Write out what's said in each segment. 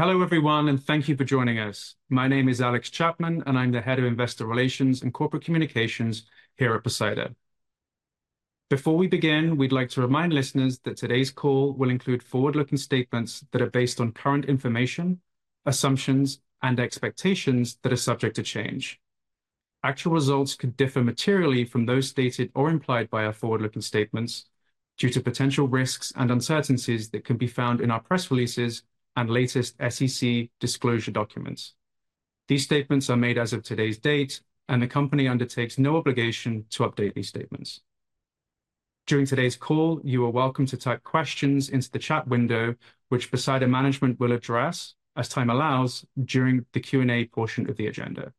Hello everyone, and thank you for joining us. My name is Alex Chapman, and I'm the Head of Investor Relations and Corporate Communications here at Poseida. Before we begin, we'd like to remind listeners that today's call will include forward-looking statements that are based on current information, assumptions, and expectations that are subject to change. Actual results could differ materially from those stated or implied by our forward-looking statements due to potential risks and uncertainties that can be found in our press releases and latest SEC disclosure documents. These statements are made as of today's date, and the company undertakes no obligation to update these statements. During today's call, you are welcome to type questions into the chat window, which Poseida Management will address, as time allows, during the Q&A portion of the agenda.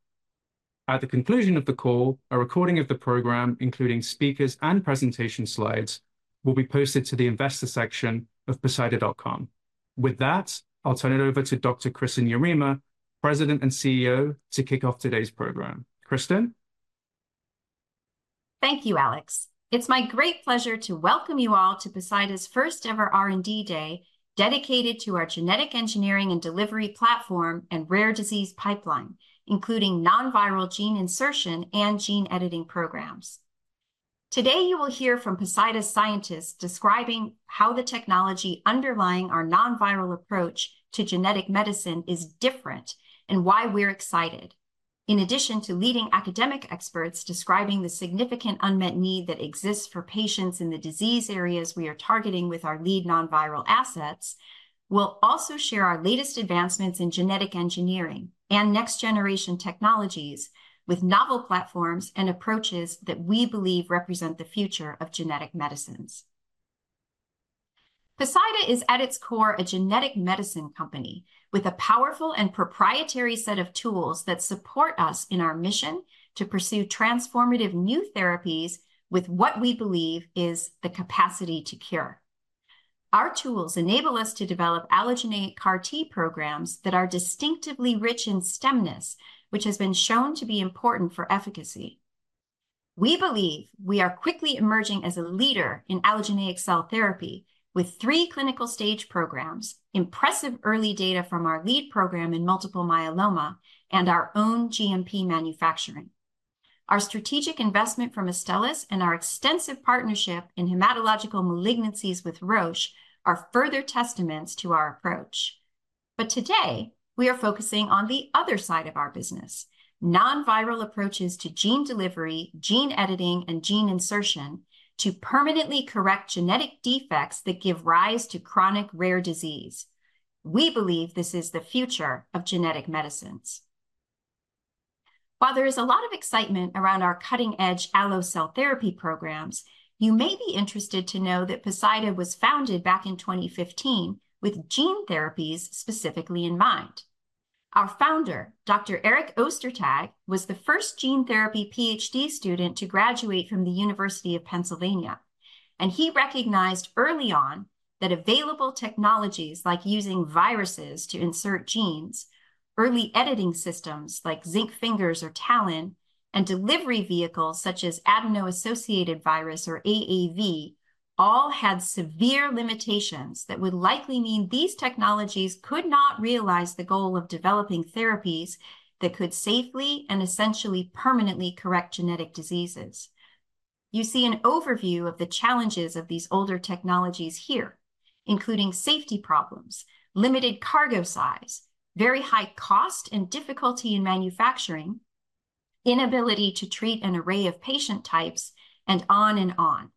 At the conclusion of the call, a recording of the program, including speakers and presentation slides, will be posted to the investor section of Poseida.com. With that, I'll turn it over to Dr. Kristin Yarema, President and CEO, to kick off today's program. Kristin? Thank you, Alex. It's my great pleasure to welcome you all to Poseida's first-ever R&D Day dedicated to our genetic engineering and delivery platform and rare disease pipeline, including non-viral gene insertion and gene editing programs. Today you will hear from Poseida scientists describing how the technology underlying our non-viral approach to genetic medicine is different and why we're excited. In addition to leading academic experts describing the significant unmet need that exists for patients in the disease areas we are targeting with our lead non-viral assets, we'll also share our latest advancements in genetic engineering and next-generation technologies with novel platforms and approaches that we believe represent the future of genetic medicines. Poseida is at its core a genetic medicine company with a powerful and proprietary set of tools that support us in our mission to pursue transformative new therapies with what we believe is the capacity to cure. Our tools enable us to develop allogeneic CAR-T programs that are distinctively rich in stemness, which has been shown to be important for efficacy. We believe we are quickly emerging as a leader in allogeneic cell therapy with three clinical-stage programs, impressive early data from our lead program in multiple myeloma, and our own GMP manufacturing. Our strategic investment from Astellas and our extensive partnership in hematological malignancies with Roche are further testaments to our approach. But today we are focusing on the other side of our business: non-viral approaches to gene delivery, gene editing, and gene insertion to permanently correct genetic defects that give rise to chronic rare disease. We believe this is the future of genetic medicines. While there is a lot of excitement around our cutting-edge allo cell therapy programs, you may be interested to know that Poseida was founded back in 2015 with gene therapies specifically in mind. Our founder, Dr. Eric Ostertag, was the first gene therapy PhD student to graduate from the University of Pennsylvania, and he recognized early on that available technologies like using viruses to insert genes, early editing systems like Zinc Fingers or TALEN, and delivery vehicles such as adeno-associated virus or AAV all had severe limitations that would likely mean these technologies could not realize the goal of developing therapies that could safely and essentially permanently correct genetic diseases. You see an overview of the challenges of these older technologies here, including safety problems, limited cargo size, very high cost and difficulty in manufacturing, inability to treat an array of patient types, and on and on.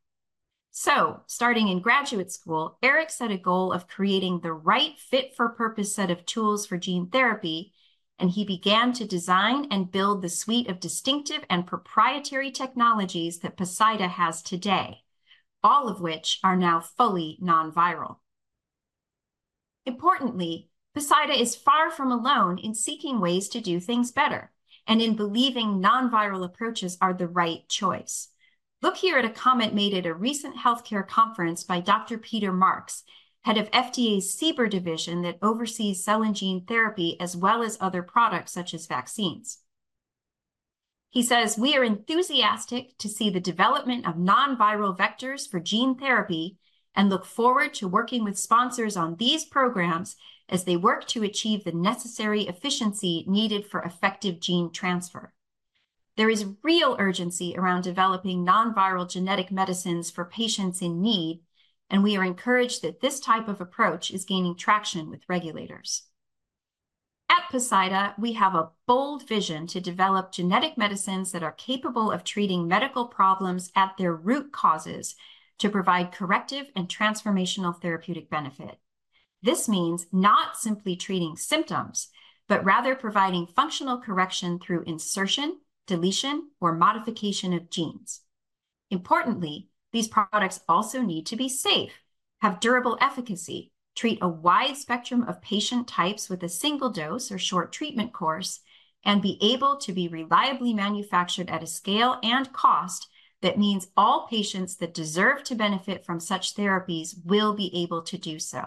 Starting in graduate school, Eric set a goal of creating the right fit-for-purpose set of tools for gene therapy, and he began to design and build the suite of distinctive and proprietary technologies that Poseida has today, all of which are now fully non-viral. Importantly, Poseida is far from alone in seeking ways to do things better and in believing non-viral approaches are the right choice. Look here at a comment made at a recent healthcare conference by Dr. Peter Marks, head of FDA's CBER division that oversees cell and gene therapy as well as other products such as vaccines. He says, "We are enthusiastic to see the development of non-viral vectors for gene therapy and look forward to working with sponsors on these programs as they work to achieve the necessary efficiency needed for effective gene transfer. There is real urgency around developing non-viral genetic medicines for patients in need, and we are encouraged that this type of approach is gaining traction with regulators. At Poseida, we have a bold vision to develop genetic medicines that are capable of treating medical problems at their root causes to provide corrective and transformational therapeutic benefit. This means not simply treating symptoms, but rather providing functional correction through insertion, deletion, or modification of genes. Importantly, these products also need to be safe, have durable efficacy, treat a wide spectrum of patient types with a single dose or short treatment course, and be able to be reliably manufactured at a scale and cost that means all patients that deserve to benefit from such therapies will be able to do so.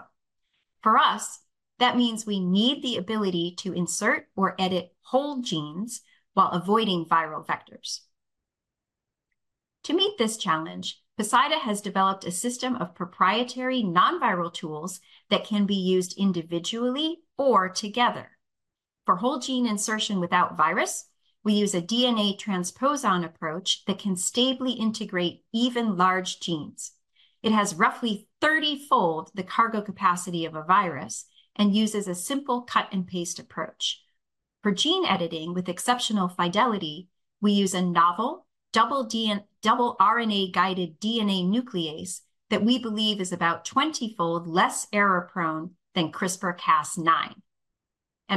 For us, that means we need the ability to insert or edit whole genes while avoiding viral vectors. To meet this challenge, Poseida has developed a system of proprietary non-viral tools that can be used individually or together. For whole gene insertion without virus, we use a DNA transposon approach that can stably integrate even large genes. It has roughly 30-fold the cargo capacity of a virus and uses a simple cut-and-paste approach. For gene editing with exceptional fidelity, we use a novel double RNA-guided DNA nuclease that we believe is about 20-fold less error-prone than CRISPR-Cas9.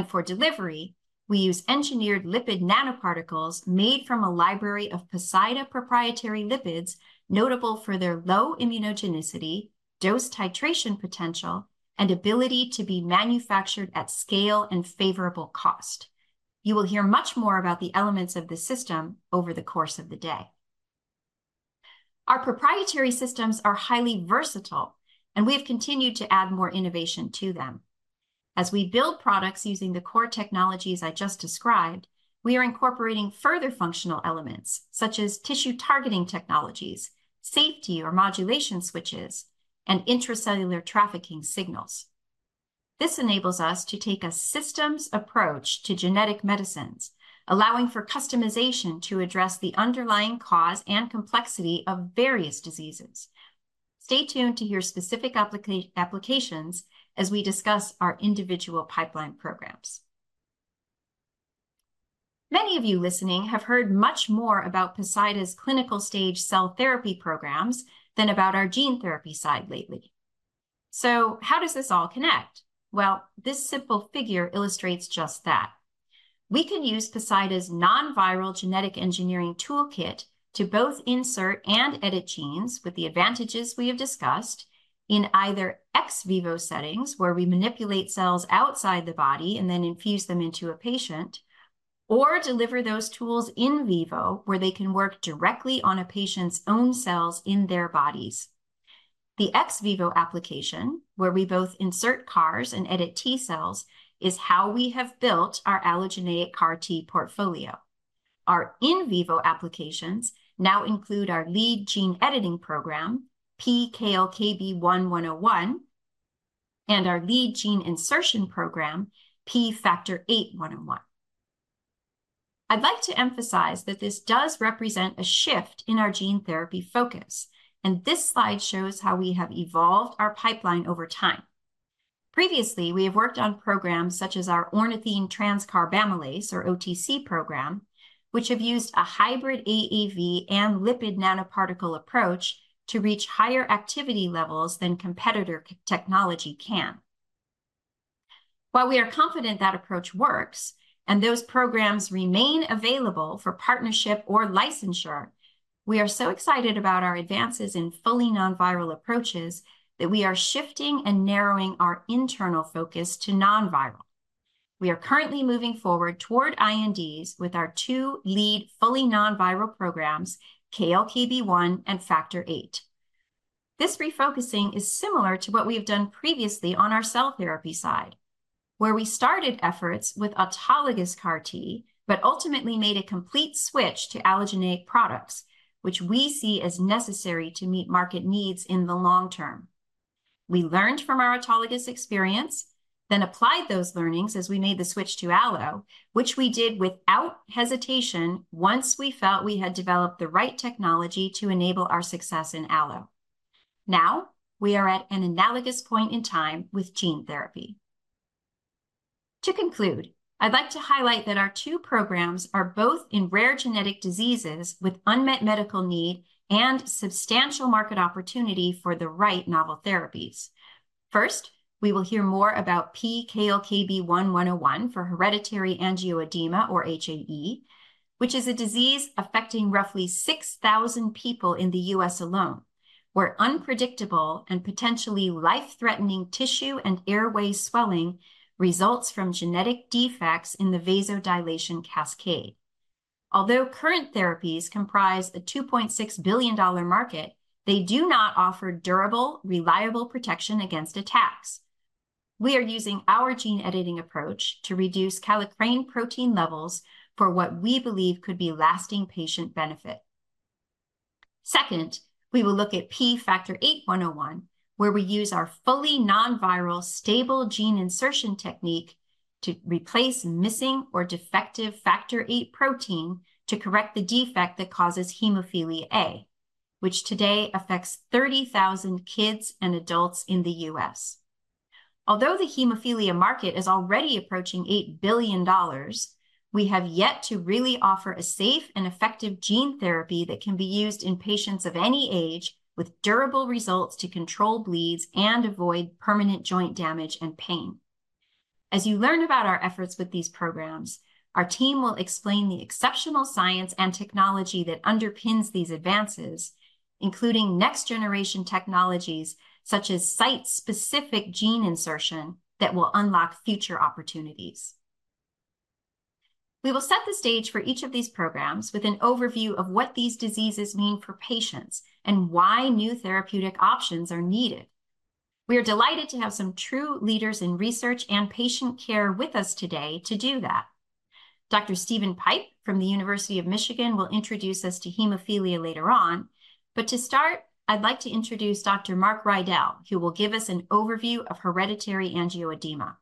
For delivery, we use engineered lipid nanoparticles made from a library of Poseida proprietary lipids notable for their low immunogenicity, dose titration potential, and ability to be manufactured at scale and favorable cost. You will hear much more about the elements of the system over the course of the day. Our proprietary systems are highly versatile, and we have continued to add more innovation to them. As we build products using the core technologies I just described, we are incorporating further functional elements such as tissue targeting technologies, safety or modulation switches, and intracellular trafficking signals. This enables us to take a systems approach to genetic medicines, allowing for customization to address the underlying cause and complexity of various diseases. Stay tuned to hear specific applications as we discuss our individual pipeline programs. Many of you listening have heard much more about Poseida's clinical stage cell therapy programs than about our gene therapy side lately. So how does this all connect? Well, this simple figure illustrates just that. We can use Poseida's non-viral genetic engineering toolkit to both insert and edit genes with the advantages we have discussed in either ex vivo settings where we manipulate cells outside the body and then infuse them into a patient, or deliver those tools in vivo where they can work directly on a patient's own cells in their bodies. The ex vivo application, where we both insert CARs and edit T cells, is how we have built our allogeneic CAR-T portfolio. Our in vivo applications now include our lead gene editing program, P-KLKB1-101, and our lead gene insertion program, P-FVIII-101. I'd like to emphasize that this does represent a shift in our gene therapy focus, and this slide shows how we have evolved our pipeline over time. Previously, we have worked on programs such as our ornithine transcarbamylase or OTC program, which have used a hybrid AAV and lipid nanoparticle approach to reach higher activity levels than competitor technology can. While we are confident that approach works and those programs remain available for partnership or licensure, we are so excited about our advances in fully non-viral approaches that we are shifting and narrowing our internal focus to non-viral. We are currently moving forward toward INDs with our two lead fully non-viral programs, KLKB1 and Factor VIII. This refocusing is similar to what we have done previously on our cell therapy side, where we started efforts with autologous CAR-T but ultimately made a complete switch to allogeneic products, which we see as necessary to meet market needs in the long term. We learned from our autologous experience, then applied those learnings as we made the switch to allo, which we did without hesitation once we felt we had developed the right technology to enable our success in allo. Now we are at an analogous point in time with gene therapy. To conclude, I'd like to highlight that our two programs are both in rare genetic diseases with unmet medical need and substantial market opportunity for the right novel therapies. First, we will hear more about P-KLKB1-101 for Hereditary Angioedema or HAE, which is a disease affecting roughly 6,000 people in the U.S. alone, where unpredictable and potentially life-threatening tissue and airway swelling results from genetic defects in the vasodilation cascade. Although current therapies comprise a $2.6 billion market, they do not offer durable, reliable protection against attacks. We are using our gene editing approach to reduce kallikrein protein levels for what we believe could be lasting patient benefit. Second, we will look at P-FVIII-101, where we use our fully non-viral stable gene insertion technique to replace missing or defective Factor VIII protein to correct the defect that causes hemophilia A, which today affects 30,000 kids and adults in the U.S. Although the hemophilia market is already approaching $8 billion, we have yet to really offer a safe and effective gene therapy that can be used in patients of any age with durable results to control bleeds and avoid permanent joint damage and pain. As you learn about our efforts with these programs, our team will explain the exceptional science and technology that underpins these advances, including next-generation technologies such as site-specific gene insertion that will unlock future opportunities. We will set the stage for each of these programs with an overview of what these diseases mean for patients and why new therapeutic options are needed. We are delighted to have some true leaders in research and patient care with us today to do that. Dr. Steven Pipe from the University of Michigan will introduce us to hemophilia later on, but to start, I'd like to introduce Dr. Marc Riedl, who will give us an overview of Hereditary Angioedema.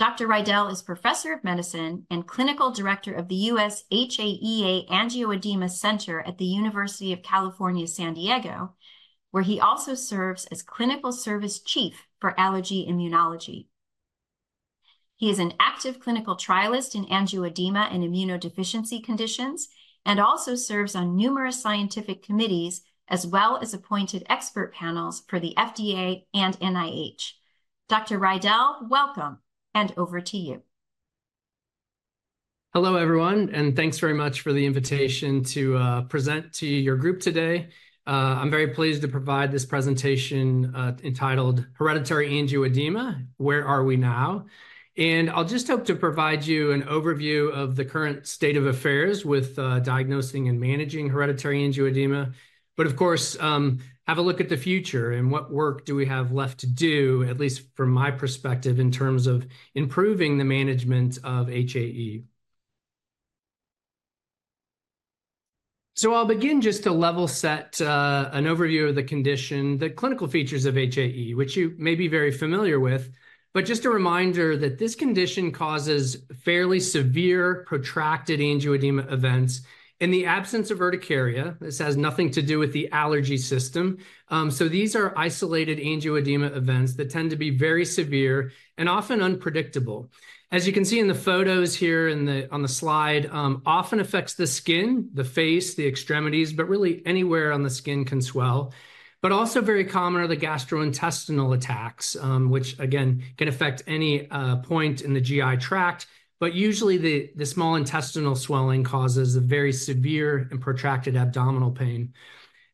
Dr. Riedl is Professor of Medicine and Clinical Director of the US HAEA Angioedema Center at the University of California, San Diego, where he also serves as Clinical Service Chief for Allergy Immunology. He is an active clinical trialist in angioedema and immunodeficiency conditions and also serves on numerous scientific committees as well as appointed expert panels for the FDA and NIH. Dr. Riedl, welcome, and over to you. Hello everyone, and thanks very much for the invitation to present to your group today. I'm very pleased to provide this presentation entitled Hereditary Angioedema: Where Are We Now? I'll just hope to provide you an overview of the current state of affairs with diagnosing and managing Hereditary Angioedema, but of course, have a look at the future and what work do we have left to do, at least from my perspective, in terms of improving the management of HAE. I'll begin just to level set an overview of the condition, the clinical features of HAE, which you may be very familiar with, but just a reminder that this condition causes fairly severe protracted angioedema events in the absence of urticaria. This has nothing to do with the allergy system. These are isolated angioedema events that tend to be very severe and often unpredictable. As you can see in the photos here on the slide, often affects the skin, the face, the extremities, but really anywhere on the skin can swell. Also very common are the gastrointestinal attacks, which again can affect any point in the GI tract, but usually the small intestinal swelling causes very severe and protracted abdominal pain.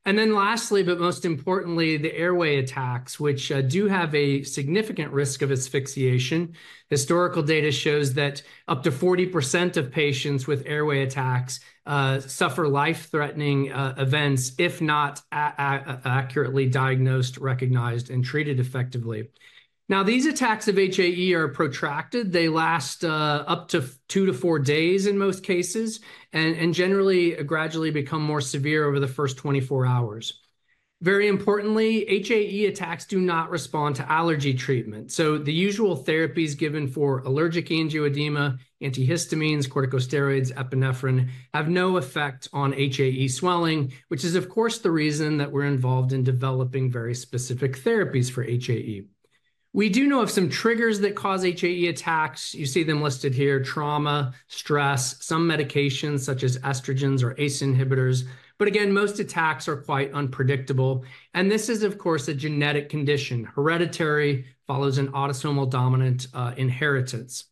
Then lastly, but most importantly, the airway attacks, which do have a significant risk of asphyxiation. Historical data shows that up to 40% of patients with airway attacks suffer life-threatening events if not accurately diagnosed, recognized, and treated effectively. Now, these attacks of HAE are protracted. They last up to two-four days in most cases and generally gradually become more severe over the first 24 hours. Very importantly, HAE attacks do not respond to allergy treatment. So the usual therapies given for allergic angioedema, antihistamines, corticosteroids, epinephrine, have no effect on HAE swelling, which is of course the reason that we're involved in developing very specific therapies for HAE. We do know of some triggers that cause HAE attacks. You see them listed here: trauma, stress, some medications such as estrogens or ACE inhibitors. But again, most attacks are quite unpredictable. And this is of course a genetic condition. Hereditary follows an autosomal dominant inheritance.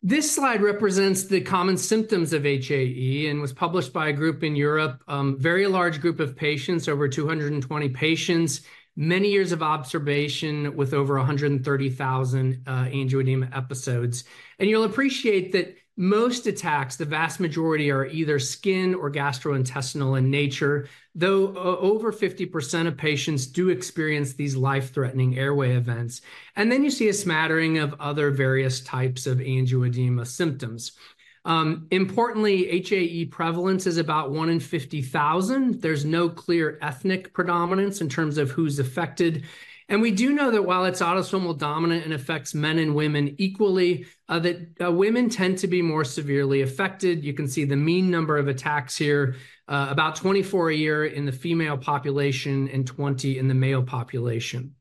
This slide represents the common symptoms of HAE and was published by a group in Europe, a very large group of patients, over 220 patients, many years of observation with over 130,000 angioedema episodes. And you'll appreciate that most attacks, the vast majority, are either skin or gastrointestinal in nature, though over 50% of patients do experience these life-threatening airway events. Then you see a smattering of other various types of angioedema symptoms. Importantly, HAE prevalence is about one in 50,000. There's no clear ethnic predominance in terms of who's affected. We do know that while it's autosomal dominant and affects men and women equally, that women tend to be more severely affected. You can see the mean number of attacks here, about 24 a year in the female population and 20 in the male population.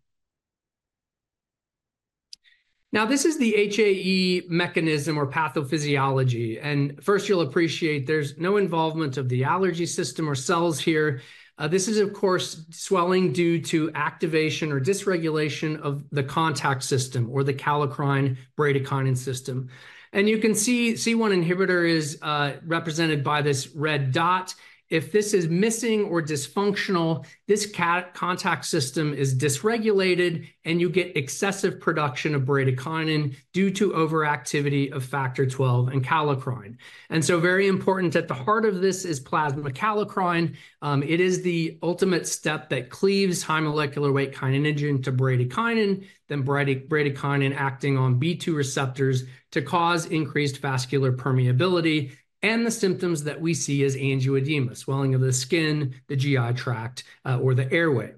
Now, this is the HAE mechanism or pathophysiology. First, you'll appreciate there's no involvement of the allergy system or cells here. This is of course swelling due to activation or dysregulation of the contact system or the kallikrein bradykinin system. You can see C1 inhibitor is represented by this red dot. If this is missing or dysfunctional, this contact system is dysregulated and you get excessive production of bradykinin due to overactivity of Factor XII and kallikrein. So very important at the heart of this is plasma kallikrein. It is the ultimate step that cleaves high molecular weight kininogen to bradykinin, then bradykinin acting on B2 receptors to cause increased vascular permeability and the symptoms that we see as angioedema, swelling of the skin, the GI tract, or the airway.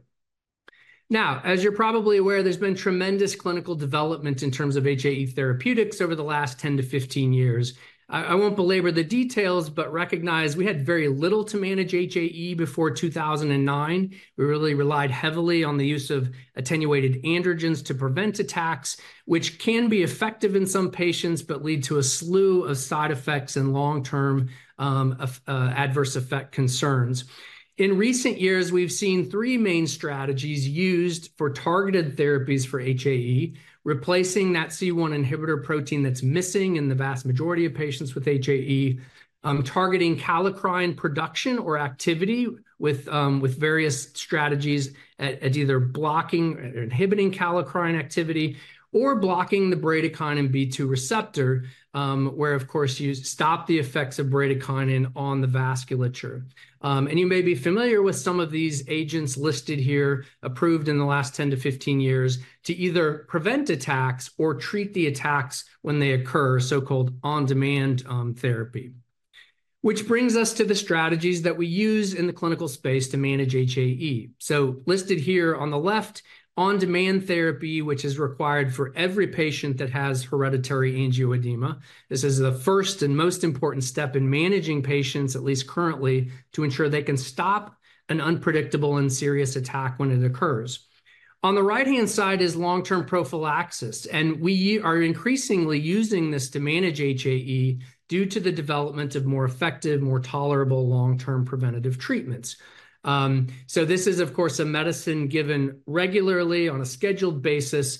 Now, as you're probably aware, there's been tremendous clinical development in terms of HAE therapeutics over the last 10-15 years. I won't belabor the details, but recognize we had very little to manage HAE before 2009. We really relied heavily on the use of attenuated androgens to prevent attacks, which can be effective in some patients but lead to a slew of side effects and long-term adverse effect concerns. In recent years, we've seen three main strategies used for targeted therapies for HAE, replacing that C1 esterase inhibitor protein that's missing in the vast majority of patients with HAE, targeting kallikrein production or activity with various strategies at either blocking or inhibiting kallikrein activity or blocking the bradykinin B2 receptor, where of course you stop the effects of bradykinin on the vasculature. You may be familiar with some of these agents listed here, approved in the last 10-15 years to either prevent attacks or treat the attacks when they occur, so-called on-demand therapy. Which brings us to the strategies that we use in the clinical space to manage HAE. Listed here on the left, on-demand therapy, which is required for every patient that has Hereditary Angioedema. This is the first and most important step in managing patients, at least currently, to ensure they can stop an unpredictable and serious attack when it occurs. On the right-hand side is long-term prophylaxis, and we are increasingly using this to manage HAE due to the development of more effective, more tolerable long-term preventative treatments. This is of course a medicine given regularly on a scheduled basis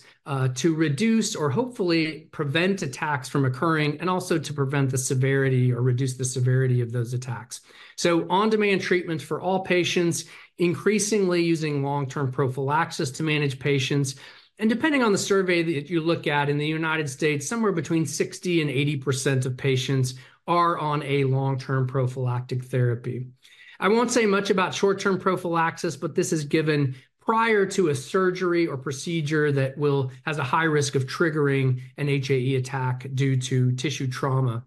to reduce or hopefully prevent attacks from occurring and also to prevent the severity or reduce the severity of those attacks. On-demand treatments for all patients, increasingly using long-term prophylaxis to manage patients. Depending on the survey that you look at in the United States, somewhere between 60%-80% of patients are on a long-term prophylactic therapy. I won't say much about short-term prophylaxis, but this is given prior to a surgery or procedure that has a high risk of triggering an HAE attack due to tissue trauma.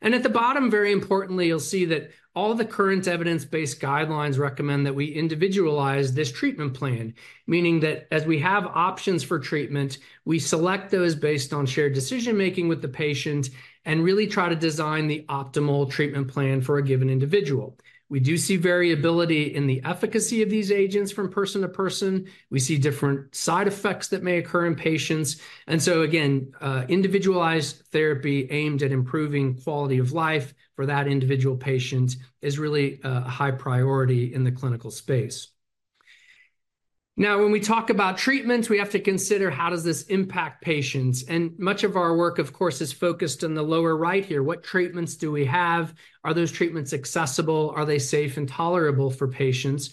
At the bottom, very importantly, you'll see that all the current evidence-based guidelines recommend that we individualize this treatment plan, meaning that as we have options for treatment, we select those based on shared decision-making with the patient and really try to design the optimal treatment plan for a given individual. We do see variability in the efficacy of these agents from person to person. We see different side effects that may occur in patients. And so again, individualized therapy aimed at improving quality of life for that individual patient is really a high priority in the clinical space. Now, when we talk about treatments, we have to consider how does this impact patients? Much of our work, of course, is focused on the lower right here. What treatments do we have? Are those treatments accessible? Are they safe and tolerable for patients?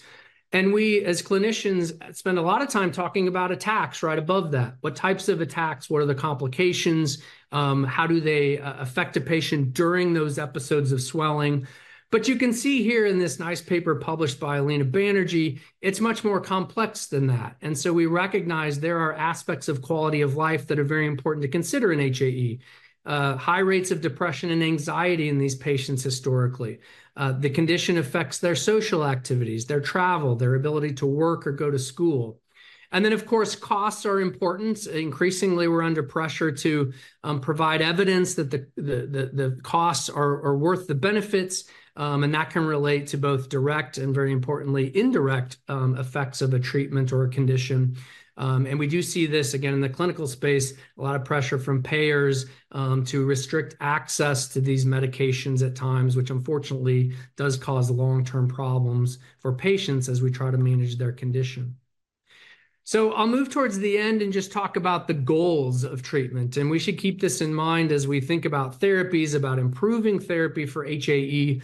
We as clinicians spend a lot of time talking about attacks right above that. What types of attacks? What are the complications? How do they affect a patient during those episodes of swelling? But you can see here in this nice paper published by Aleena Banerji, it's much more complex than that. So we recognize there are aspects of quality of life that are very important to consider in HAE. High rates of depression and anxiety in these patients historically. The condition affects their social activities, their travel, their ability to work or go to school. And then of course, costs are important. Increasingly, we're under pressure to provide evidence that the costs are worth the benefits, and that can relate to both direct and very importantly indirect effects of a treatment or a condition. And we do see this again in the clinical space, a lot of pressure from payers to restrict access to these medications at times, which unfortunately does cause long-term problems for patients as we try to manage their condition. So I'll move towards the end and just talk about the goals of treatment. And we should keep this in mind as we think about therapies, about improving therapy for HAE.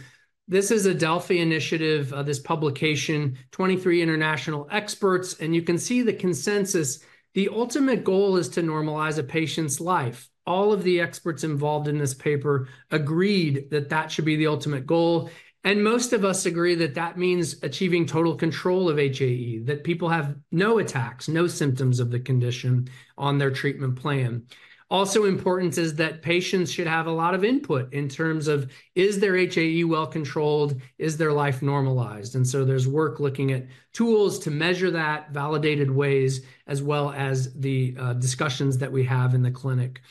This is a Delphi initiative, this publication, 23 international experts, and you can see the consensus. The ultimate goal is to normalize a patient's life. All of the experts involved in this paper agreed that that should be the ultimate goal. Most of us agree that that means achieving total control of HAE, that people have no attacks, no symptoms of the condition on their treatment plan. Also important is that patients should have a lot of input in terms of is their HAE well controlled? Is their life normalized? And so there's work looking at tools to measure that, validated ways, as well as the discussions that we have in the clinic.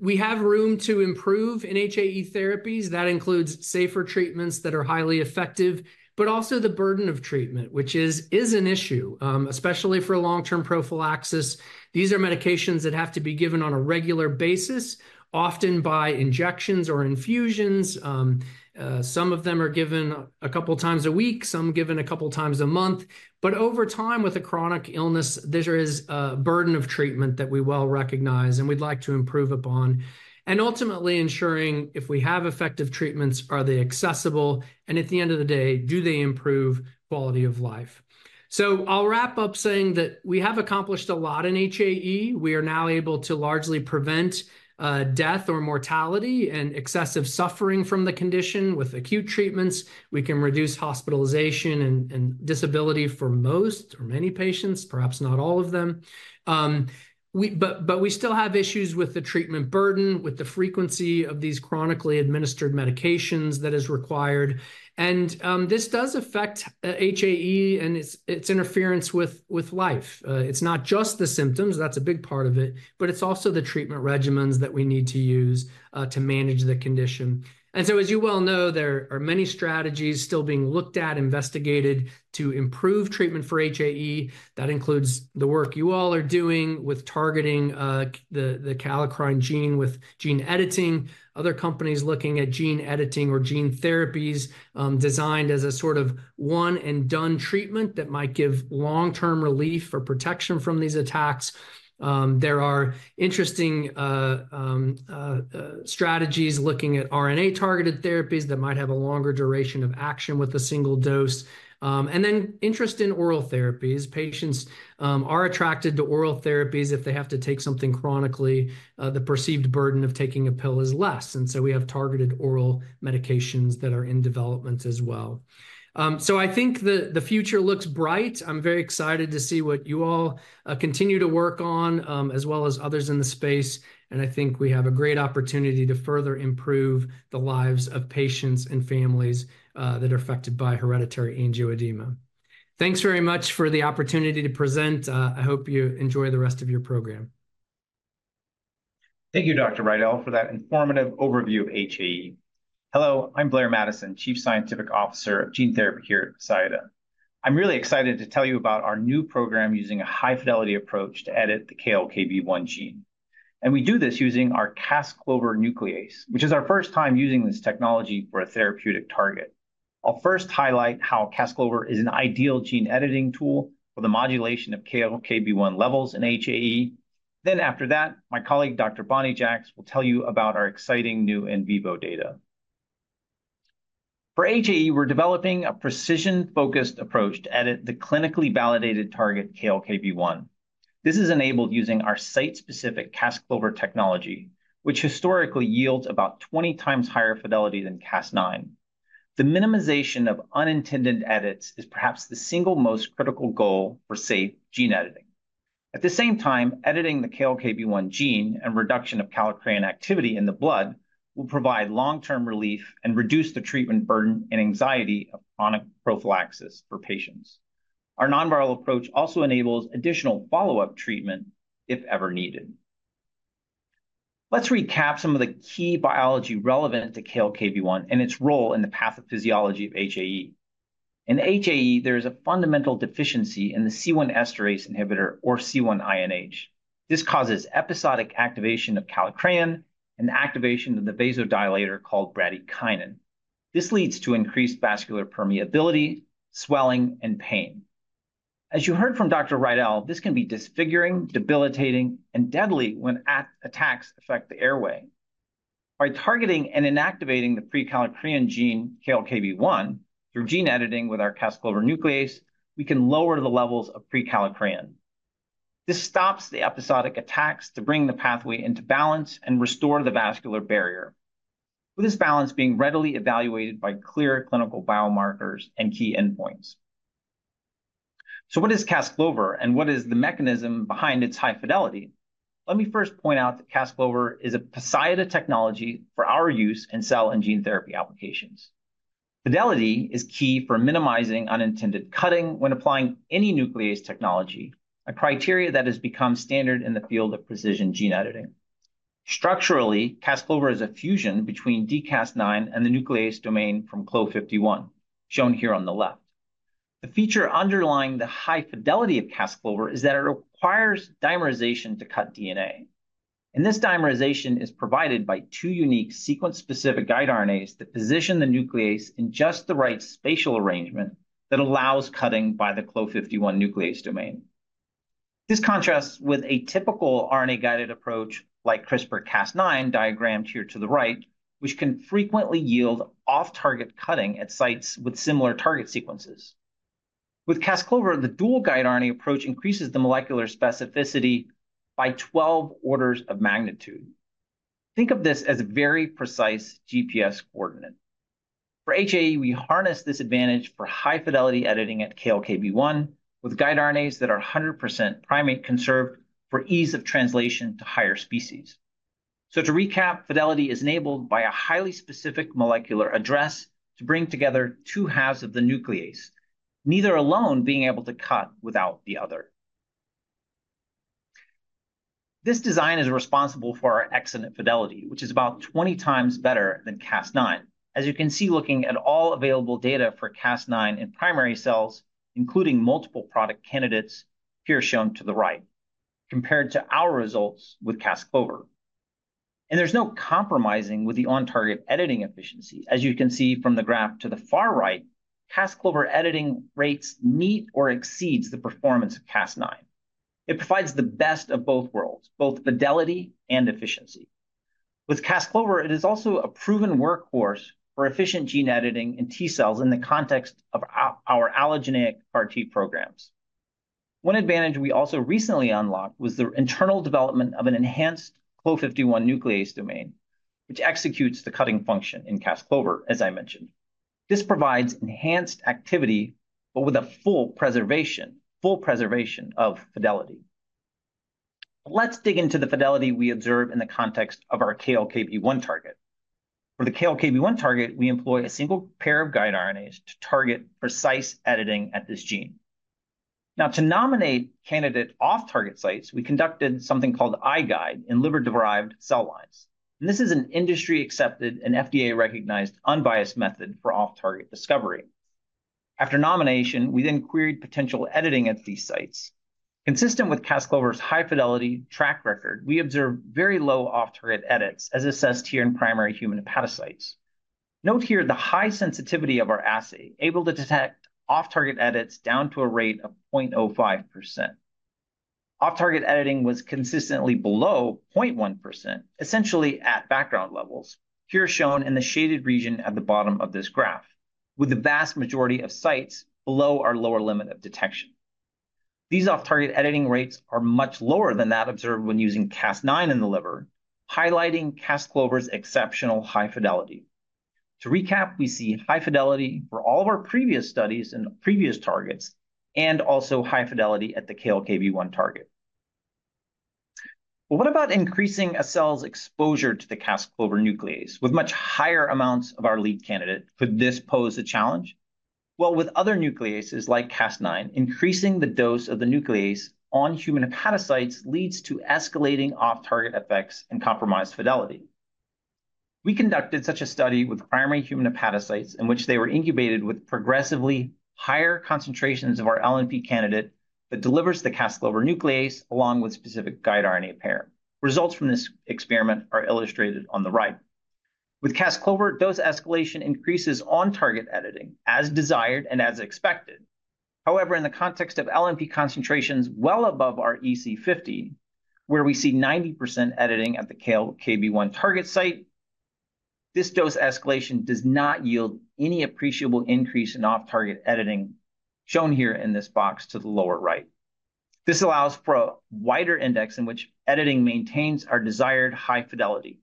We have room to improve in HAE therapies. That includes safer treatments that are highly effective, but also the burden of treatment, which is an issue, especially for long-term prophylaxis. These are medications that have to be given on a regular basis, often by injections or infusions. Some of them are given a couple of times a week, some given a couple of times a month. Over time with a chronic illness, there is a burden of treatment that we well recognize and we'd like to improve upon. Ultimately ensuring if we have effective treatments, are they accessible? At the end of the day, do they improve quality of life? I'll wrap up saying that we have accomplished a lot in HAE. We are now able to largely prevent death or mortality and excessive suffering from the condition with acute treatments. We can reduce hospitalization and disability for most or many patients, perhaps not all of them. We still have issues with the treatment burden, with the frequency of these chronically administered medications that is required. This does affect HAE and its interference with life. It's not just the symptoms, that's a big part of it, but it's also the treatment regimens that we need to use to manage the condition. So as you well know, there are many strategies still being looked at, investigated to improve treatment for HAE. That includes the work you all are doing with targeting the kallikrein gene with gene editing, other companies looking at gene editing or gene therapies designed as a sort of one and done treatment that might give long-term relief or protection from these attacks. There are interesting strategies looking at RNA targeted therapies that might have a longer duration of action with a single dose. Then interest in oral therapies. Patients are attracted to oral therapies if they have to take something chronically. The perceived burden of taking a pill is less. So we have targeted oral medications that are in development as well. So I think the future looks bright. I'm very excited to see what you all continue to work on as well as others in the space. And I think we have a great opportunity to further improve the lives of patients and families that are affected by Hereditary Angioedema. Thanks very much for the opportunity to present. I hope you enjoy the rest of your program. Thank you, Dr. Riedl, for that informative overview of HAE. Hello, I'm Blair Madison, Chief Scientific Officer of Gene Therapy here at Poseida. I'm really excited to tell you about our new program using a high-fidelity approach to edit the KLKB1 gene. And we do this using our Cas-CLOVER nuclease, which is our first time using this technology for a therapeutic target. I'll first highlight how Cas-CLOVER is an ideal gene editing tool for the modulation of KLKB1 levels in HAE. Then after that, my colleague, Dr. Bonnie Jacques, will tell you about our exciting new in vivo data. For HAE, we're developing a precision-focused approach to edit the clinically validated target KLKB1. This is enabled using our site-specific Cas-CLOVER technology, which historically yields about 20 times higher fidelity than Cas9. The minimization of unintended edits is perhaps the single most critical goal for safe gene editing. At the same time, editing the KLKB1 gene and reduction of kallikrein activity in the blood will provide long-term relief and reduce the treatment burden and anxiety of chronic prophylaxis for patients. Our non-viral approach also enables additional follow-up treatment if ever needed. Let's recap some of the key biology relevant to KLKB1 and its role in the pathophysiology of HAE. In HAE, there is a fundamental deficiency in the C1 esterase inhibitor or C1-INH. This causes episodic activation of kallikrein and activation of the vasodilator called bradykinin. This leads to increased vascular permeability, swelling, and pain. As you heard from Dr. Riedl, this can be disfiguring, debilitating, and deadly when attacks affect the airway. By targeting and inactivating the prekallikrein gene KLKB1 through gene editing with our Cas-CLOVER nuclease, we can lower the levels of prekallikrein. This stops the episodic attacks to bring the pathway into balance and restore the vascular barrier, with this balance being readily evaluated by clear clinical biomarkers and key endpoints. So what is Cas-CLOVER and what is the mechanism behind its high fidelity? Let me first point out that Cas-CLOVER is a Poseida technology for our use in cell and gene therapy applications. Fidelity is key for minimizing unintended cutting when applying any nuclease technology, a criterion that has become standard in the field of precision gene editing. Structurally, Cas-CLOVER is a fusion between dCas9 and the nuclease domain from Clo51, shown here on the left. The feature underlying the high fidelity of Cas-CLOVER is that it requires dimerization to cut DNA. This dimerization is provided by two unique sequence-specific guide RNAs that position the nuclease in just the right spatial arrangement that allows cutting by the Clo51 nuclease domain. This contrasts with a typical RNA-guided approach like CRISPR-Cas9 diagrammed here to the right, which can frequently yield off-target cutting at sites with similar target sequences. With Cas-CLOVER, the dual-guide RNA approach increases the molecular specificity by 12 orders of magnitude. Think of this as a very precise GPS coordinate. For HAE, we harness this advantage for high-fidelity editing at KLKB1 with guide RNAs that are 100% primate conserved for ease of translation to higher species. So to recap, fidelity is enabled by a highly specific molecular address to bring together two halves of the nuclease, neither alone being able to cut without the other. This design is responsible for our excellent fidelity, which is about 20x better than Cas9, as you can see looking at all available data for Cas9 in primary cells, including multiple product candidates here shown to the right, compared to our results with Cas-CLOVER. There's no compromising with the on-target editing efficiency. As you can see from the graph to the far right, Cas-CLOVER editing rates meet or exceed the performance of Cas9. It provides the best of both worlds, both fidelity and efficiency. With Cas-CLOVER, it is also a proven workhorse for efficient gene editing in T cells in the context of our allogeneic CAR-T programs. One advantage we also recently unlocked was the internal development of an enhanced Clo51 nuclease domain, which executes the cutting function in Cas-CLOVER, as I mentioned. This provides enhanced activity, but with a full preservation, full preservation of fidelity. Let's dig into the fidelity we observe in the context of our KLKB1 target. For the KLKB1 target, we employ a single pair of guide RNAs to target precise editing at this gene. Now, to nominate candidate off-target sites, we conducted something called iGUIDE in liver-derived cell lines. This is an industry-accepted and FDA-recognized unbiased method for off-target discovery. After nomination, we then queried potential editing at these sites. Consistent with Cas-CLOVER's high-fidelity track record, we observed very low off-target edits as assessed here in primary human hepatocytes. Note here the high sensitivity of our assay, able to detect off-target edits down to a rate of 0.05%. Off-target editing was consistently below 0.1%, essentially at background levels, here shown in the shaded region at the bottom of this graph, with the vast majority of sites below our lower limit of detection. These off-target editing rates are much lower than that observed when using Cas9 in the liver, highlighting Cas-CLOVER's exceptional high fidelity. To recap, we see high fidelity for all of our previous studies and previous targets, and also high fidelity at the KLKB1 target. Well, what about increasing a cell's exposure to the Cas-CLOVER nuclease with much higher amounts of our lead candidate? Could this pose a challenge? Well, with other nucleases like Cas9, increasing the dose of the nuclease on human hepatocytes leads to escalating off-target effects and compromised fidelity. We conducted such a study with primary human hepatocytes in which they were incubated with progressively higher concentrations of our LNP candidate that delivers the Cas-CLOVER nuclease along with specific guide RNA pair. Results from this experiment are illustrated on the right. With Cas-CLOVER, dose escalation increases on-target editing as desired and as expected. However, in the context of LNP concentrations well above our EC50, where we see 90% editing at the KLKB1 target site, this dose escalation does not yield any appreciable increase in off-target editing, shown here in this box to the lower right. This allows for a wider index in which editing maintains our desired high fidelity.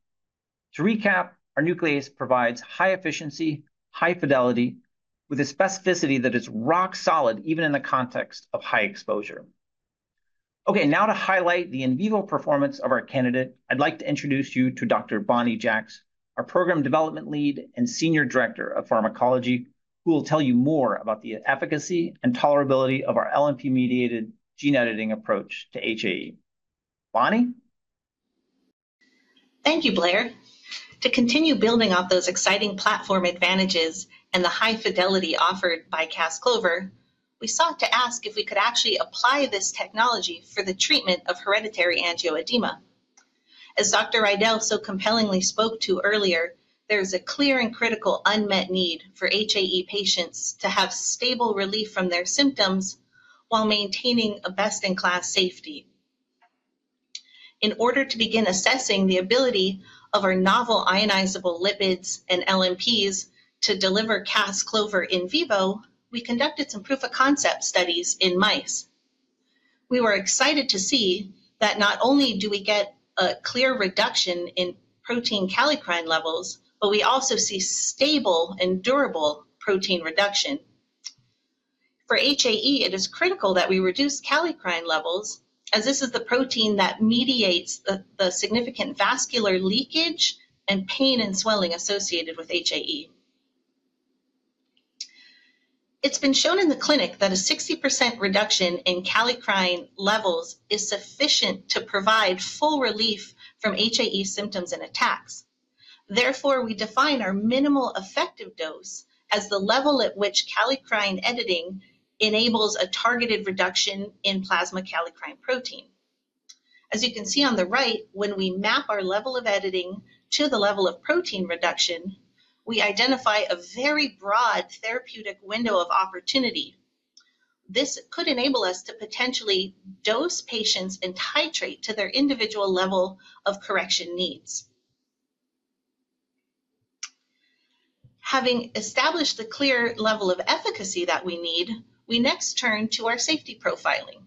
To recap, our nuclease provides high efficiency, high fidelity, with a specificity that is rock solid even in the context of high exposure. Okay, now to highlight the in vivo performance of our candidate, I'd like to introduce you to Dr. Bonnie Jacques, our Program Development Lead and Senior Director of Pharmacology, who will tell you more about the efficacy and tolerability of our LNP-mediated gene editing approach to HAE. Bonnie? Thank you, Blair. To continue building off those exciting platform advantages and the high fidelity offered by Cas-CLOVER, we sought to ask if we could actually apply this technology for the treatment of Hereditary Angioedema. As Dr. Riedl so compellingly spoke to earlier, there is a clear and critical unmet need for HAE patients to have stable relief from their symptoms while maintaining a best-in-class safety. In order to begin assessing the ability of our novel ionizable lipids and LNPs to deliver Cas-CLOVER in vivo, we conducted some proof-of-concept studies in mice. We were excited to see that not only do we get a clear reduction in protein kallikrein levels, but we also see stable and durable protein reduction. For HAE, it is critical that we reduce kallikrein levels, as this is the protein that mediates the significant vascular leakage and pain and swelling associated with HAE. It's been shown in the clinic that a 60% reduction in kallikrein levels is sufficient to provide full relief from HAE symptoms and attacks. Therefore, we define our minimal effective dose as the level at which kallikrein editing enables a targeted reduction in plasma kallikrein protein. As you can see on the right, when we map our level of editing to the level of protein reduction, we identify a very broad therapeutic window of opportunity. This could enable us to potentially dose patients and titrate to their individual level of correction needs. Having established the clear level of efficacy that we need, we next turned to our safety profiling.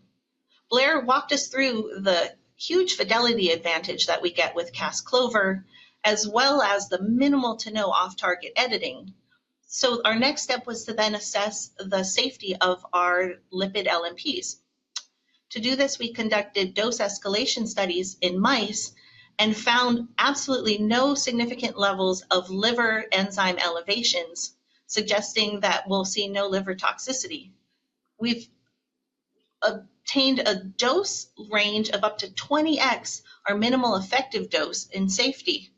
Blair walked us through the huge fidelity advantage that we get with Cas-CLOVER, as well as the minimal-to-no off-target editing. Our next step was to then assess the safety of our lipid LNPs. To do this, we conducted dose escalation studies in mice and found absolutely no significant levels of liver enzyme elevations, suggesting that we'll see no liver toxicity. We've obtained a dose range of up to 20x our minimal effective dose in safety.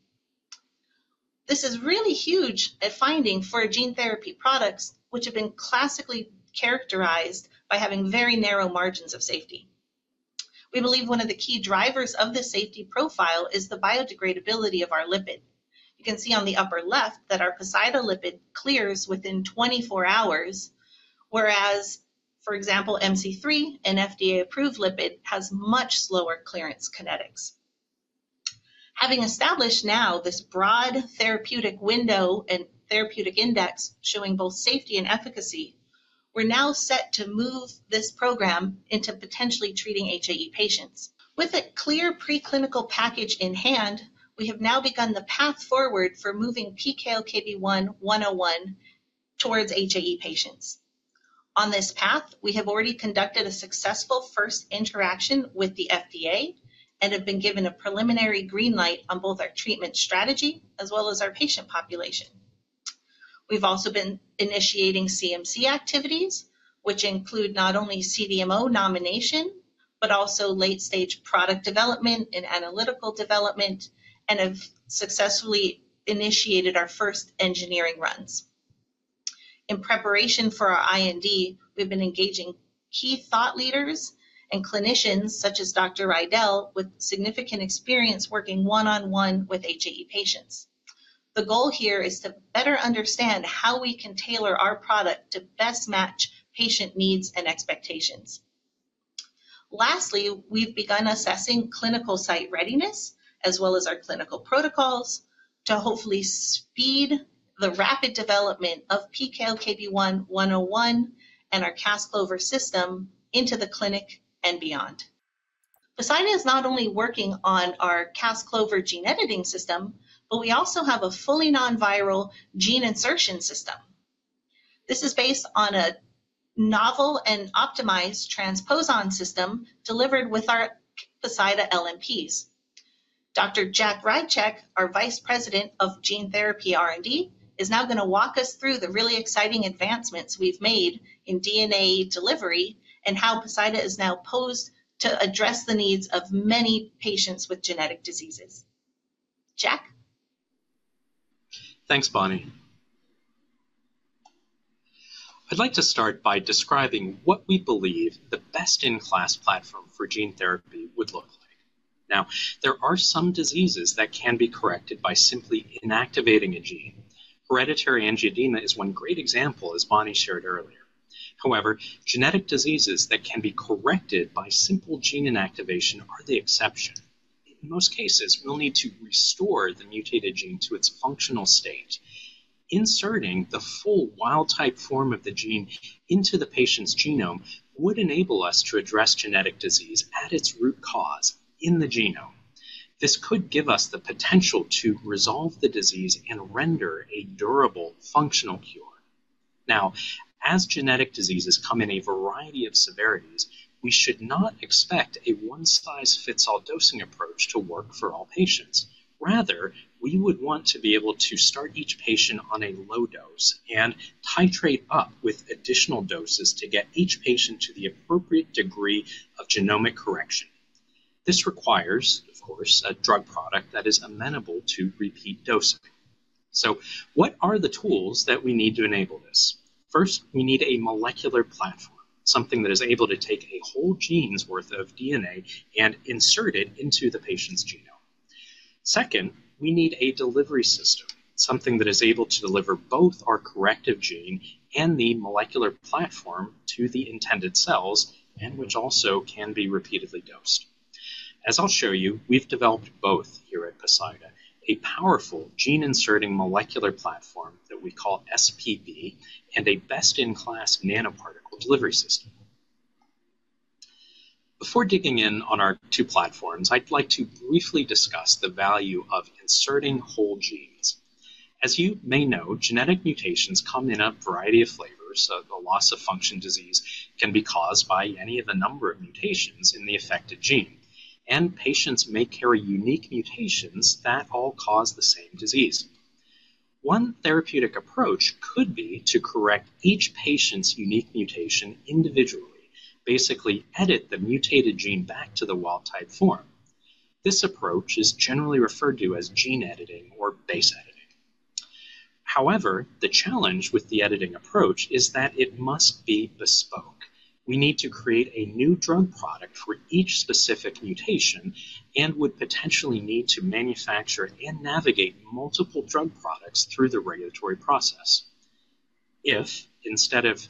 This is really huge a finding for gene therapy products, which have been classically characterized by having very narrow margins of safety. We believe one of the key drivers of the safety profile is the biodegradability of our lipid. You can see on the upper left that our Poseida lipid clears within 24 hours, whereas, for example, MC3, an FDA-approved lipid, has much slower clearance kinetics. Having established now this broad therapeutic window and therapeutic index showing both safety and efficacy, we're now set to move this program into potentially treating HAE patients. With a clear preclinical package in hand, we have now begun the path forward for moving P-KLKB1-101 towards HAE patients. On this path, we have already conducted a successful first interaction with the FDA and have been given a preliminary green light on both our treatment strategy as well as our patient population. We've also been initiating CMC activities, which include not only CDMO nomination, but also late-stage product development and analytical development, and have successfully initiated our first engineering runs. In preparation for our IND, we've been engaging key thought leaders and clinicians such as Dr. Riedl with significant experience working one-on-one with HAE patients. The goal here is to better understand how we can tailor our product to best match patient needs and expectations. Lastly, we've begun assessing clinical site readiness as well as our clinical protocols to hopefully speed the rapid development of P-KLKB1-101 and our Cas-CLOVER system into the clinic and beyond. Poseida is not only working on our Cas-CLOVER gene editing system, but we also have a fully non-viral gene insertion system. This is based on a novel and optimized transposon system delivered with our Poseida LNPs. Dr. Jack Rychak, our Vice President of gene therapy R&D, is now going to walk us through the really exciting advancements we've made in DNA delivery and how Poseida is now posed to address the needs of many patients with genetic diseases. Jack? Thanks, Bonnie. I'd like to start by describing what we believe the best-in-class platform for gene therapy would look like. Now, there are some diseases that can be corrected by simply inactivating a gene. Hereditary Angioedema is one great example, as Bonnie shared earlier. However, genetic diseases that can be corrected by simple gene inactivation are the exception. In most cases, we'll need to restore the mutated gene to its functional state. Inserting the full wild-type form of the gene into the patient's genome would enable us to address genetic disease at its root cause in the genome. This could give us the potential to resolve the disease and render a durable functional cure. Now, as genetic diseases come in a variety of severities, we should not expect a one-size-fits-all dosing approach to work for all patients. Rather, we would want to be able to start each patient on a low dose and titrate up with additional doses to get each patient to the appropriate degree of genomic correction. This requires, of course, a drug product that is amenable to repeat dosing. So what are the tools that we need to enable this? First, we need a molecular platform, something that is able to take a whole gene's worth of DNA and insert it into the patient's genome. Second, we need a delivery system, something that is able to deliver both our corrective gene and the molecular platform to the intended cells, and which also can be repeatedly dosed. As I'll show you, we've developed both here at Poseida, a powerful gene-inserting molecular platform that we call SPB, and a best-in-class nanoparticle delivery system. Before digging in on our two platforms, I'd like to briefly discuss the value of inserting whole genes. As you may know, genetic mutations come in a variety of flavors. The loss of function disease can be caused by any of a number of mutations in the affected gene, and patients may carry unique mutations that all cause the same disease. One therapeutic approach could be to correct each patient's unique mutation individually, basically edit the mutated gene back to the wild-type form. This approach is generally referred to as gene editing or base editing. However, the challenge with the editing approach is that it must be bespoke. We need to create a new drug product for each specific mutation and would potentially need to manufacture and navigate multiple drug products through the regulatory process. If, instead of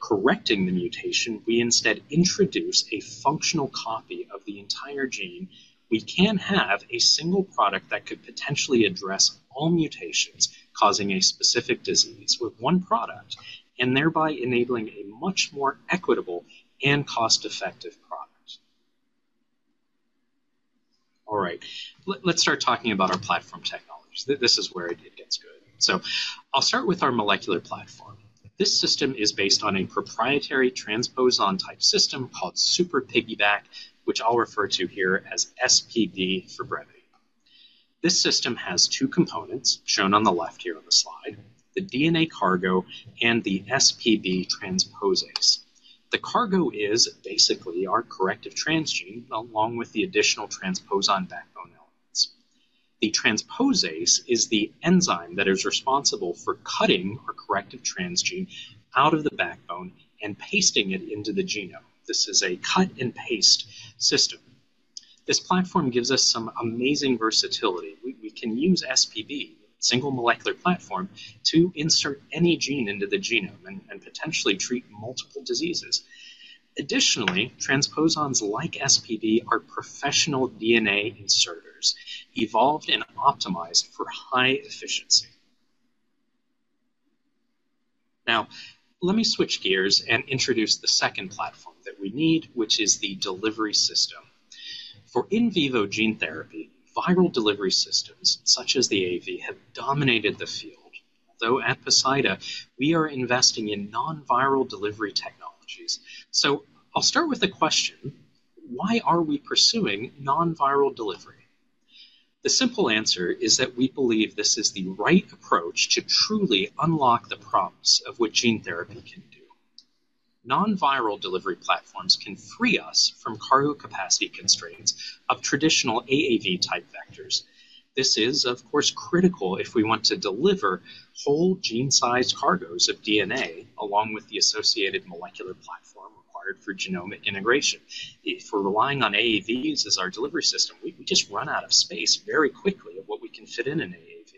correcting the mutation, we instead introduce a functional copy of the entire gene, we can have a single product that could potentially address all mutations causing a specific disease with one product, and thereby enabling a much more equitable and cost-effective product. All right, let's start talking about our platform technologies. This is where it gets good. So I'll start with our molecular platform. This system is based on a proprietary transposon type system called Super PiggyBac, which I'll refer to here as SPB for brevity. This system has two components shown on the left here on the slide: the DNA cargo and the SPB transposase. The cargo is basically our corrective transgene along with the additional transposon backbone elements. The transposase is the enzyme that is responsible for cutting our corrective transgene out of the backbone and pasting it into the genome. This is a cut-and-paste system. This platform gives us some amazing versatility. We can use SPB, a single molecular platform, to insert any gene into the genome and potentially treat multiple diseases. Additionally, transposons like SPB are professional DNA inserters, evolved and optimized for high efficiency. Now, let me switch gears and introduce the second platform that we need, which is the delivery system. For in vivo gene therapy, viral delivery systems such as the AAV have dominated the field, though at Poseida, we are investing in non-viral delivery technologies. So I'll start with a question: why are we pursuing non-viral delivery? The simple answer is that we believe this is the right approach to truly unlock the prompts of what gene therapy can do. Non-viral delivery platforms can free us from cargo capacity constraints of traditional AAV-type vectors. This is, of course, critical if we want to deliver whole gene-sized cargoes of DNA along with the associated molecular platform required for genomic integration. If we're relying on AAVs as our delivery system, we just run out of space very quickly of what we can fit in an AAV.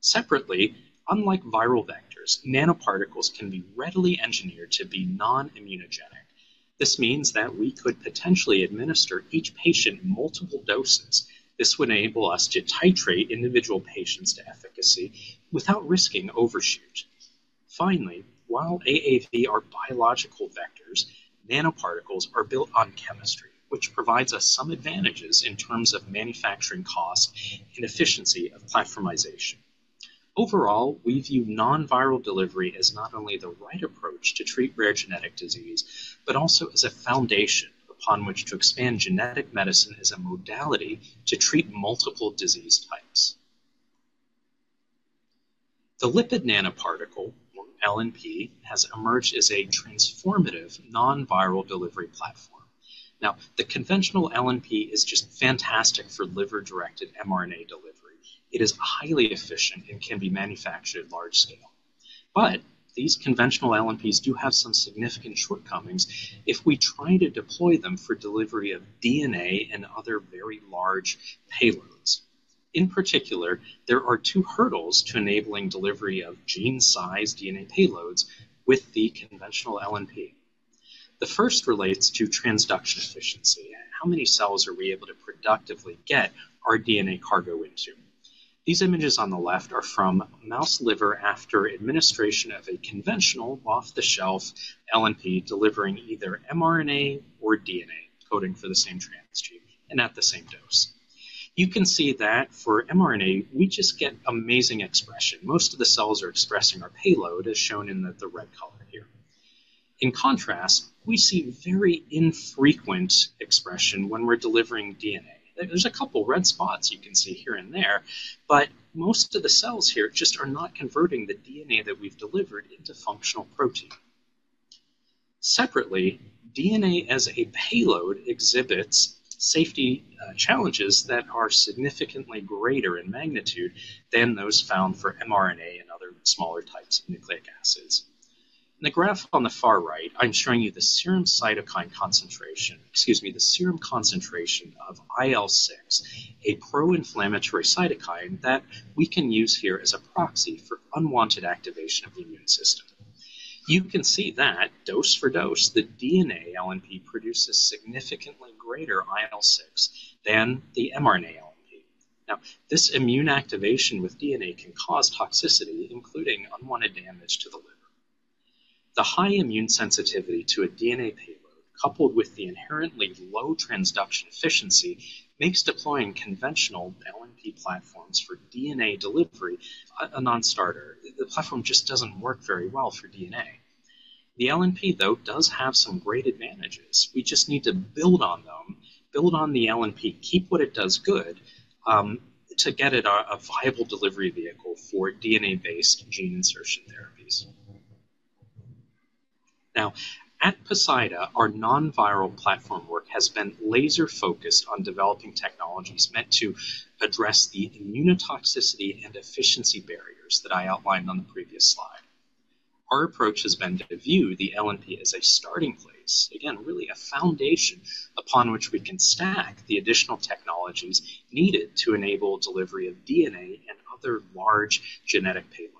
Separately, unlike viral vectors, nanoparticles can be readily engineered to be non-immunogenic. This means that we could potentially administer each patient multiple doses. This would enable us to titrate individual patients to efficacy without risking overshoot. Finally, while AAVs are biological vectors, nanoparticles are built on chemistry, which provides us some advantages in terms of manufacturing cost and efficiency of platformization. Overall, we view non-viral delivery as not only the right approach to treat rare genetic disease, but also as a foundation upon which to expand genetic medicine as a modality to treat multiple disease types. The lipid nanoparticle, or LNP, has emerged as a transformative non-viral delivery platform. Now, the conventional LNP is just fantastic for liver-directed mRNA delivery. It is highly efficient and can be manufactured at large scale. But these conventional LNPs do have some significant shortcomings if we try to deploy them for delivery of DNA and other very large payloads. In particular, there are two hurdles to enabling delivery of gene-sized DNA payloads with the conventional LNP. The first relates to transduction efficiency: how many cells are we able to productively get our DNA cargo into? These images on the left are from mouse liver after administration of a conventional, off-the-shelf LNP delivering either mRNA or DNA, coding for the same transgene and at the same dose. You can see that for mRNA, we just get amazing expression. Most of the cells are expressing our payload, as shown in the red color here. In contrast, we see very infrequent expression when we're delivering DNA. There's a couple of red spots you can see here and there, but most of the cells here just are not converting the DNA that we've delivered into functional protein. Separately, DNA as a payload exhibits safety challenges that are significantly greater in magnitude than those found for mRNA and other smaller types of nucleic acids. In the graph on the far right, I'm showing you the serum cytokine concentration, excuse me, the serum concentration of IL-6, a pro-inflammatory cytokine that we can use here as a proxy for unwanted activation of the immune system. You can see that dose for dose, the DNA LNP produces significantly greater IL-6 than the mRNA LNP. Now, this immune activation with DNA can cause toxicity, including unwanted damage to the liver. The high immune sensitivity to a DNA payload, coupled with the inherently low transduction efficiency, makes deploying conventional LNP platforms for DNA delivery a nonstarter. The platform just doesn't work very well for DNA. The LNP, though, does have some great advantages. We just need to build on them, build on the LNP, keep what it does good, to get it a viable delivery vehicle for DNA-based gene insertion therapies. Now, at Poseida, our non-viral platform work has been laser-focused on developing technologies meant to address the immunotoxicity and efficiency barriers that I outlined on the previous slide. Our approach has been to view the LNP as a starting place, again, really a foundation, upon which we can stack the additional technologies needed to enable delivery of DNA and other large genetic payloads.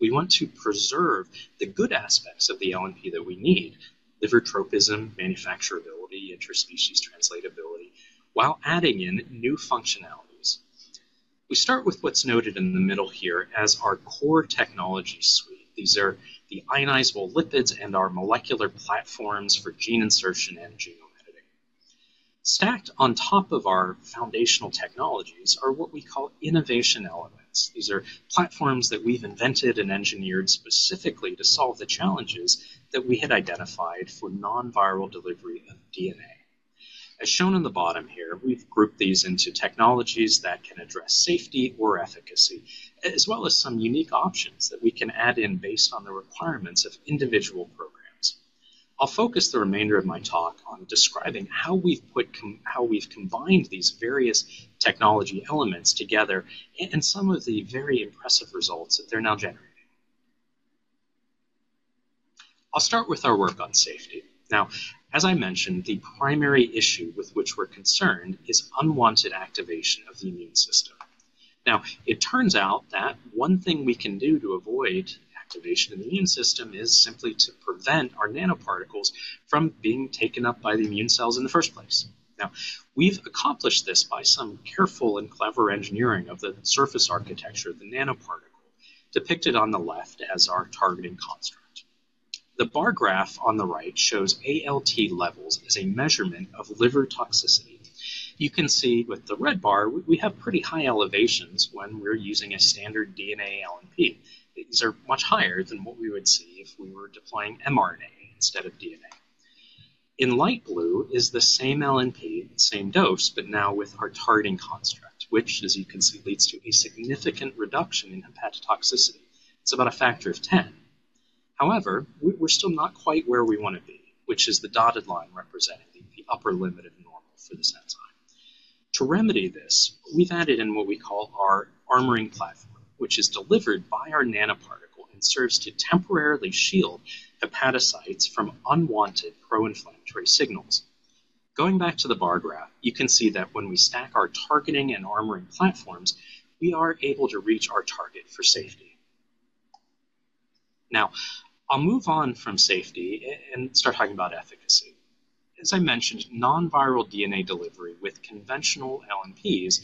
We want to preserve the good aspects of the LNP that we need: liver tropism, manufacturability, interspecies translatability, while adding in new functionalities. We start with what's noted in the middle here as our core technology suite. These are the ionizable lipids and our molecular platforms for gene insertion and genome editing. Stacked on top of our foundational technologies are what we call innovation elements. These are platforms that we've invented and engineered specifically to solve the challenges that we had identified for non-viral delivery of DNA. As shown in the bottom here, we've grouped these into technologies that can address safety or efficacy, as well as some unique options that we can add in based on the requirements of individual programs. I'll focus the remainder of my talk on describing how we've combined these various technology elements together and some of the very impressive results that they're now generating. I'll start with our work on safety. Now, as I mentioned, the primary issue with which we're concerned is unwanted activation of the immune system. Now, it turns out that one thing we can do to avoid activation in the immune system is simply to prevent our nanoparticles from being taken up by the immune cells in the first place. Now, we've accomplished this by some careful and clever engineering of the surface architecture of the nanoparticle depicted on the left as our targeting construct. The bar graph on the right shows ALT levels as a measurement of liver toxicity. You can see with the red bar, we have pretty high elevations when we're using a standard DNA LNP. These are much higher than what we would see if we were deploying mRNA instead of DNA. In light blue is the same LNP, same dose, but now with our targeting construct, which, as you can see, leads to a significant reduction in hepatotoxicity. It's about a factor of 10. However, we're still not quite where we want to be, which is the dotted line representing the upper limit of normal for this enzyme. To remedy this, we've added in what we call our armoring platform, which is delivered by our nanoparticle and serves to temporarily shield hepatocytes from unwanted pro-inflammatory signals. Going back to the bar graph, you can see that when we stack our targeting and armoring platforms, we are able to reach our target for safety. Now, I'll move on from safety and start talking about efficacy. As I mentioned, non-viral DNA delivery with conventional LNPs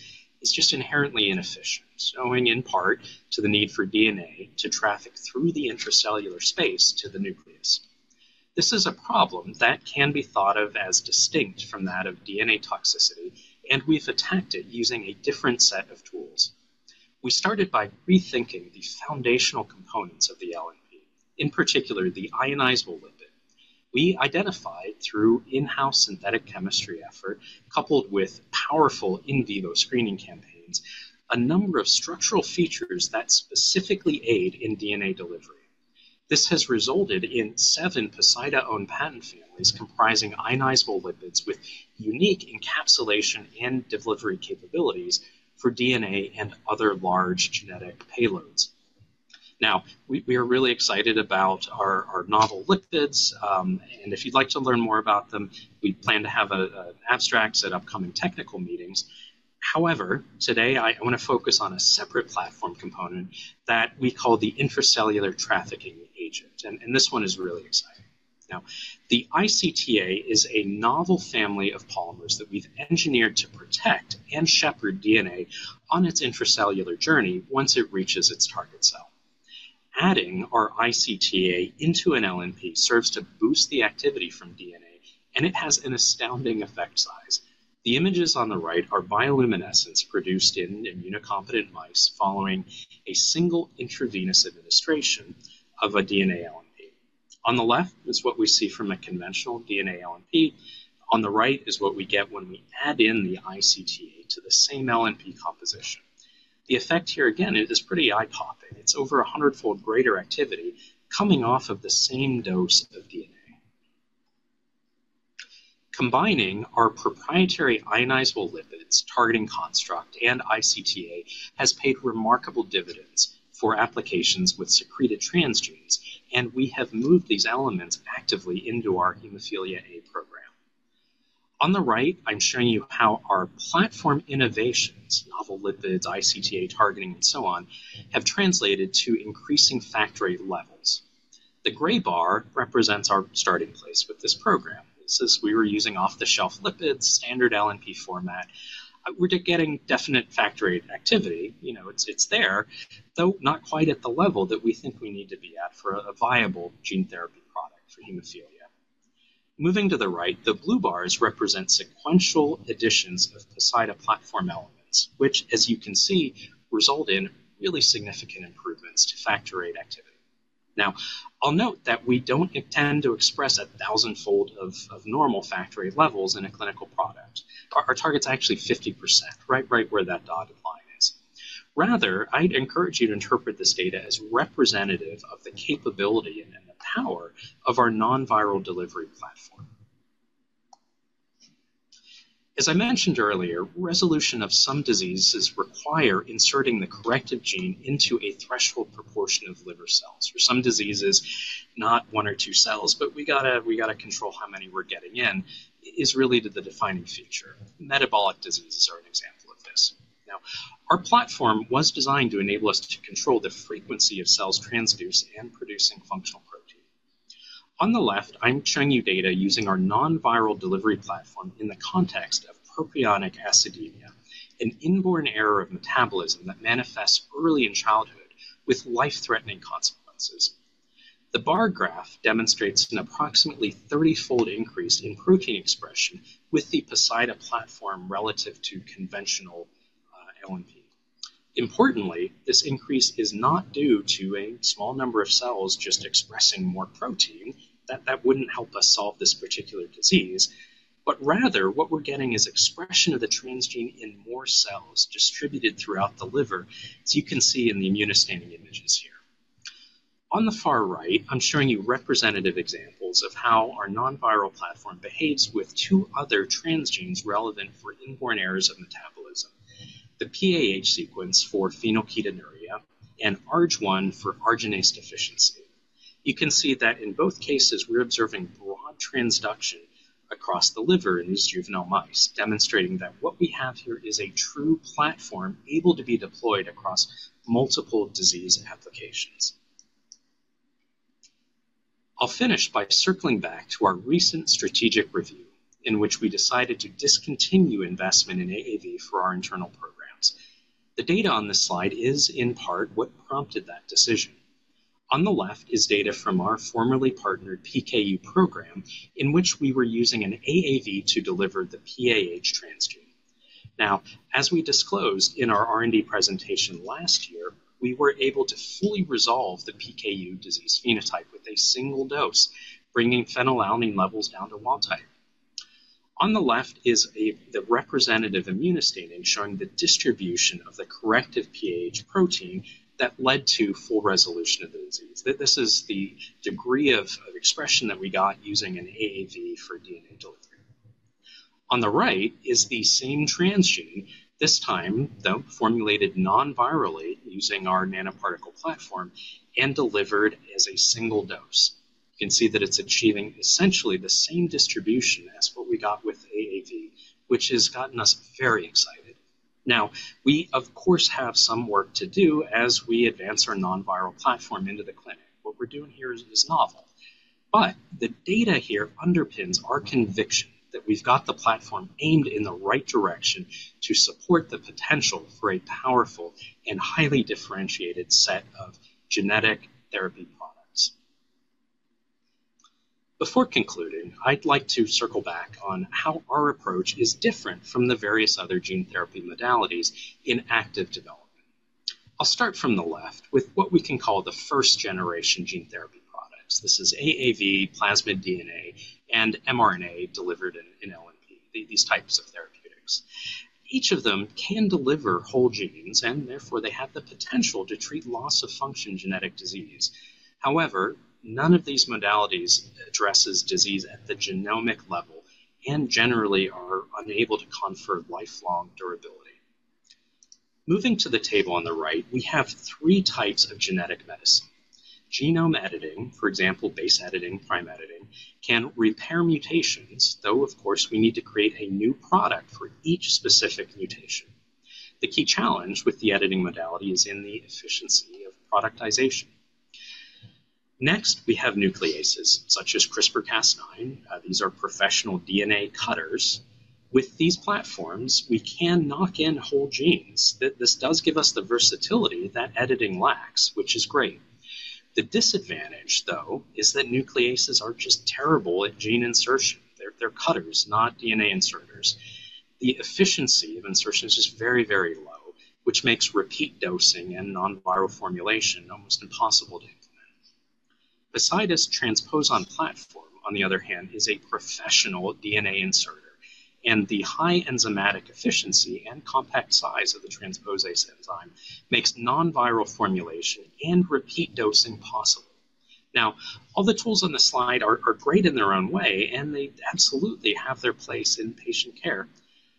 is just inherently inefficient, owing in part to the need for DNA to traffic through the intracellular space to the nucleus. This is a problem that can be thought of as distinct from that of DNA toxicity, and we've attacked it using a different set of tools. We started by rethinking the foundational components of the LNP, in particular the ionizable lipid. We identified, through in-house synthetic chemistry effort coupled with powerful in vivo screening campaigns, a number of structural features that specifically aid in DNA delivery. This has resulted in seven Poseida-owned patent families comprising ionizable lipids with unique encapsulation and delivery capabilities for DNA and other large genetic payloads. Now, we are really excited about our novel lipids, and if you'd like to learn more about them, we plan to have an abstract at upcoming technical meetings. However, today I want to focus on a separate platform component that we call the intracellular trafficking agent, and this one is really exciting. Now, the ICTA is a novel family of polymers that we've engineered to protect and shepherd DNA on its intracellular journey once it reaches its target cell. Adding our ICTA into an LNP serves to boost the activity from DNA, and it has an astounding effect size. The images on the right are bioluminescence produced in immunocompetent mice following a single intravenous administration of a DNA LNP. On the left is what we see from a conventional DNA LNP. On the right is what we get when we add in the ICTA to the same LNP composition. The effect here, again, is pretty eye-popping. It's over 100-fold greater activity coming off of the same dose of DNA. Combining our proprietary ionizable lipids, targeting construct, and ICTA has paid remarkable dividends for applications with secreted transgenes, and we have moved these elements actively into our hemophilia A program. On the right, I'm showing you how our platform innovations, novel lipids, ICTA targeting, and so on, have translated to increasing Factor VIII levels. The gray bar represents our starting place with this program. This is where we were using off-the-shelf lipids, standard LNP format. We're getting definite Factor VIII activity. It's there, though not quite at the level that we think we need to be at for a viable gene therapy product for hemophilia. Moving to the right, the blue bars represent sequential additions of Poseida platform elements, which, as you can see, result in really significant improvements to Factor VIII activity. Now, I'll note that we don't intend to express a thousandfold of normal Factor VIII levels in a clinical product. Our target's actually 50%, right where that dotted line is. Rather, I'd encourage you to interpret this data as representative of the capability and the power of our non-viral delivery platform. As I mentioned earlier, resolution of some diseases requires inserting the corrective gene into a threshold proportion of liver cells. For some diseases, not one or two cells, but we got to control how many we're getting in is really the defining feature. Metabolic diseases are an example of this. Now, our platform was designed to enable us to control the frequency of cells transducing and producing functional protein. On the left, I'm showing you data using our non-viral delivery platform in the context of propionic acidemia, an inborn error of metabolism that manifests early in childhood with life-threatening consequences. The bar graph demonstrates an approximately 30-fold increase in protein expression with the Poseida platform relative to conventional LNP. Importantly, this increase is not due to a small number of cells just expressing more protein. That wouldn't help us solve this particular disease. But rather, what we're getting is expression of the transgene in more cells distributed throughout the liver, as you can see in the immunostaining images here. On the far right, I'm showing you representative examples of how our non-viral platform behaves with two other transgenes relevant for inborn errors of metabolism: the PAH sequence for phenylketonuria and ARG1 for arginase deficiency. You can see that in both cases, we're observing broad transduction across the liver in these juvenile mice, demonstrating that what we have here is a true platform able to be deployed across multiple disease applications. I'll finish by circling back to our recent strategic review in which we decided to discontinue investment in AAV for our internal programs. The data on this slide is, in part, what prompted that decision. On the left is data from our formerly partnered PKU program, in which we were using an AAV to deliver the PAH transgene. Now, as we disclosed in our R&D presentation last year, we were able to fully resolve the PKU disease phenotype with a single dose, bringing phenylalanine levels down to wild type. On the left is the representative immunostaining showing the distribution of the corrective PAH protein that led to full resolution of the disease. This is the degree of expression that we got using an AAV for DNA delivery. On the right is the same transgene, this time, though formulated non-virally using our nanoparticle platform and delivered as a single dose. You can see that it's achieving essentially the same distribution as what we got with AAV, which has gotten us very excited. Now, we, of course, have some work to do as we advance our non-viral platform into the clinic. What we're doing here is novel, but the data here underpins our conviction that we've got the platform aimed in the right direction to support the potential for a powerful and highly differentiated set of genetic therapy products. Before concluding, I'd like to circle back on how our approach is different from the various other gene therapy modalities in active development. I'll start from the left with what we can call the first-generation gene therapy products. This is AAV, plasmid DNA, and mRNA delivered in LNP, these types of therapeutics. Each of them can deliver whole genes, and therefore they have the potential to treat loss of function genetic disease. However, none of these modalities address disease at the genomic level and generally are unable to confer lifelong durability. Moving to the table on the right, we have three types of genetic medicine. Genome editing (for example, base editing, prime editing) can repair mutations, though, of course, we need to create a new product for each specific mutation. The key challenge with the editing modality is in the efficiency of productization. Next, we have nucleases such as CRISPR-Cas9. These are professional DNA cutters. With these platforms, we can knock in whole genes. This does give us the versatility that editing lacks, which is great. The disadvantage, though, is that nucleases are just terrible at gene insertion. They're cutters, not DNA inserters. The efficiency of insertion is just very, very low, which makes repeat dosing and non-viral formulation almost impossible to implement. Poseida's transposon platform, on the other hand, is a professional DNA inserter, and the high enzymatic efficiency and compact size of the transposase enzyme makes non-viral formulation and repeat dosing possible. Now, all the tools on the slide are great in their own way, and they absolutely have their place in patient care.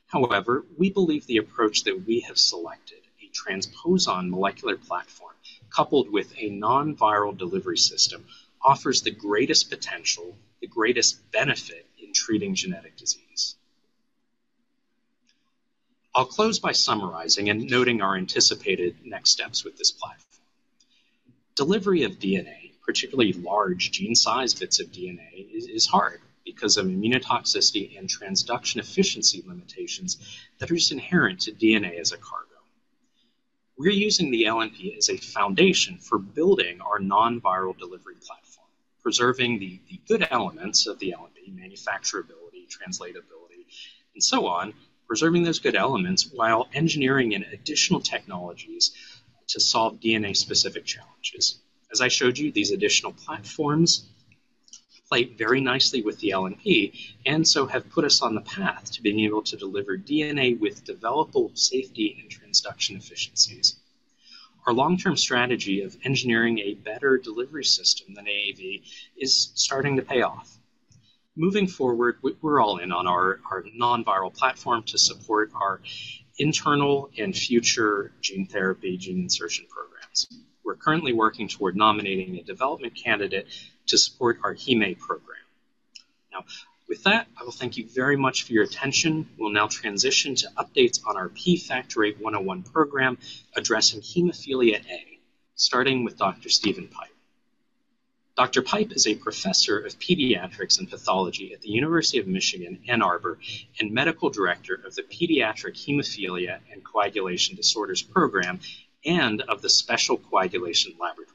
However, we believe the approach that we have selected, a transposon molecular platform coupled with a non-viral delivery system, offers the greatest potential, the greatest benefit in treating genetic disease. I'll close by summarizing and noting our anticipated next steps with this platform. Delivery of DNA, particularly large gene-sized bits of DNA, is hard because of immunotoxicity and transduction efficiency limitations that are just inherent to DNA as a cargo. We're using the LNP as a foundation for building our non-viral delivery platform, preserving the good elements of the LNP (manufacturability, translatability, and so on), preserving those good elements while engineering in additional technologies to solve DNA-specific challenges. As I showed you, these additional platforms play very nicely with the LNP and so have put us on the path to being able to deliver DNA with developable safety and transduction efficiencies. Our long-term strategy of engineering a better delivery system than AAV is starting to pay off. Moving forward, we're all in on our non-viral platform to support our internal and future gene therapy gene insertion programs. We're currently working toward nominating a development candidate to support our Hem A program. Now, with that, I will thank you very much for your attention. We'll now transition to updates on our P-FVIII-101 program addressing hemophilia A, starting with Dr. Steven Pipe. Dr. Pipe is a professor of pediatrics and pathology at the University of Michigan, Ann Arbor and medical director of the Pediatric Hemophilia and Coagulation Disorders Program and of the Special Coagulation Laboratory.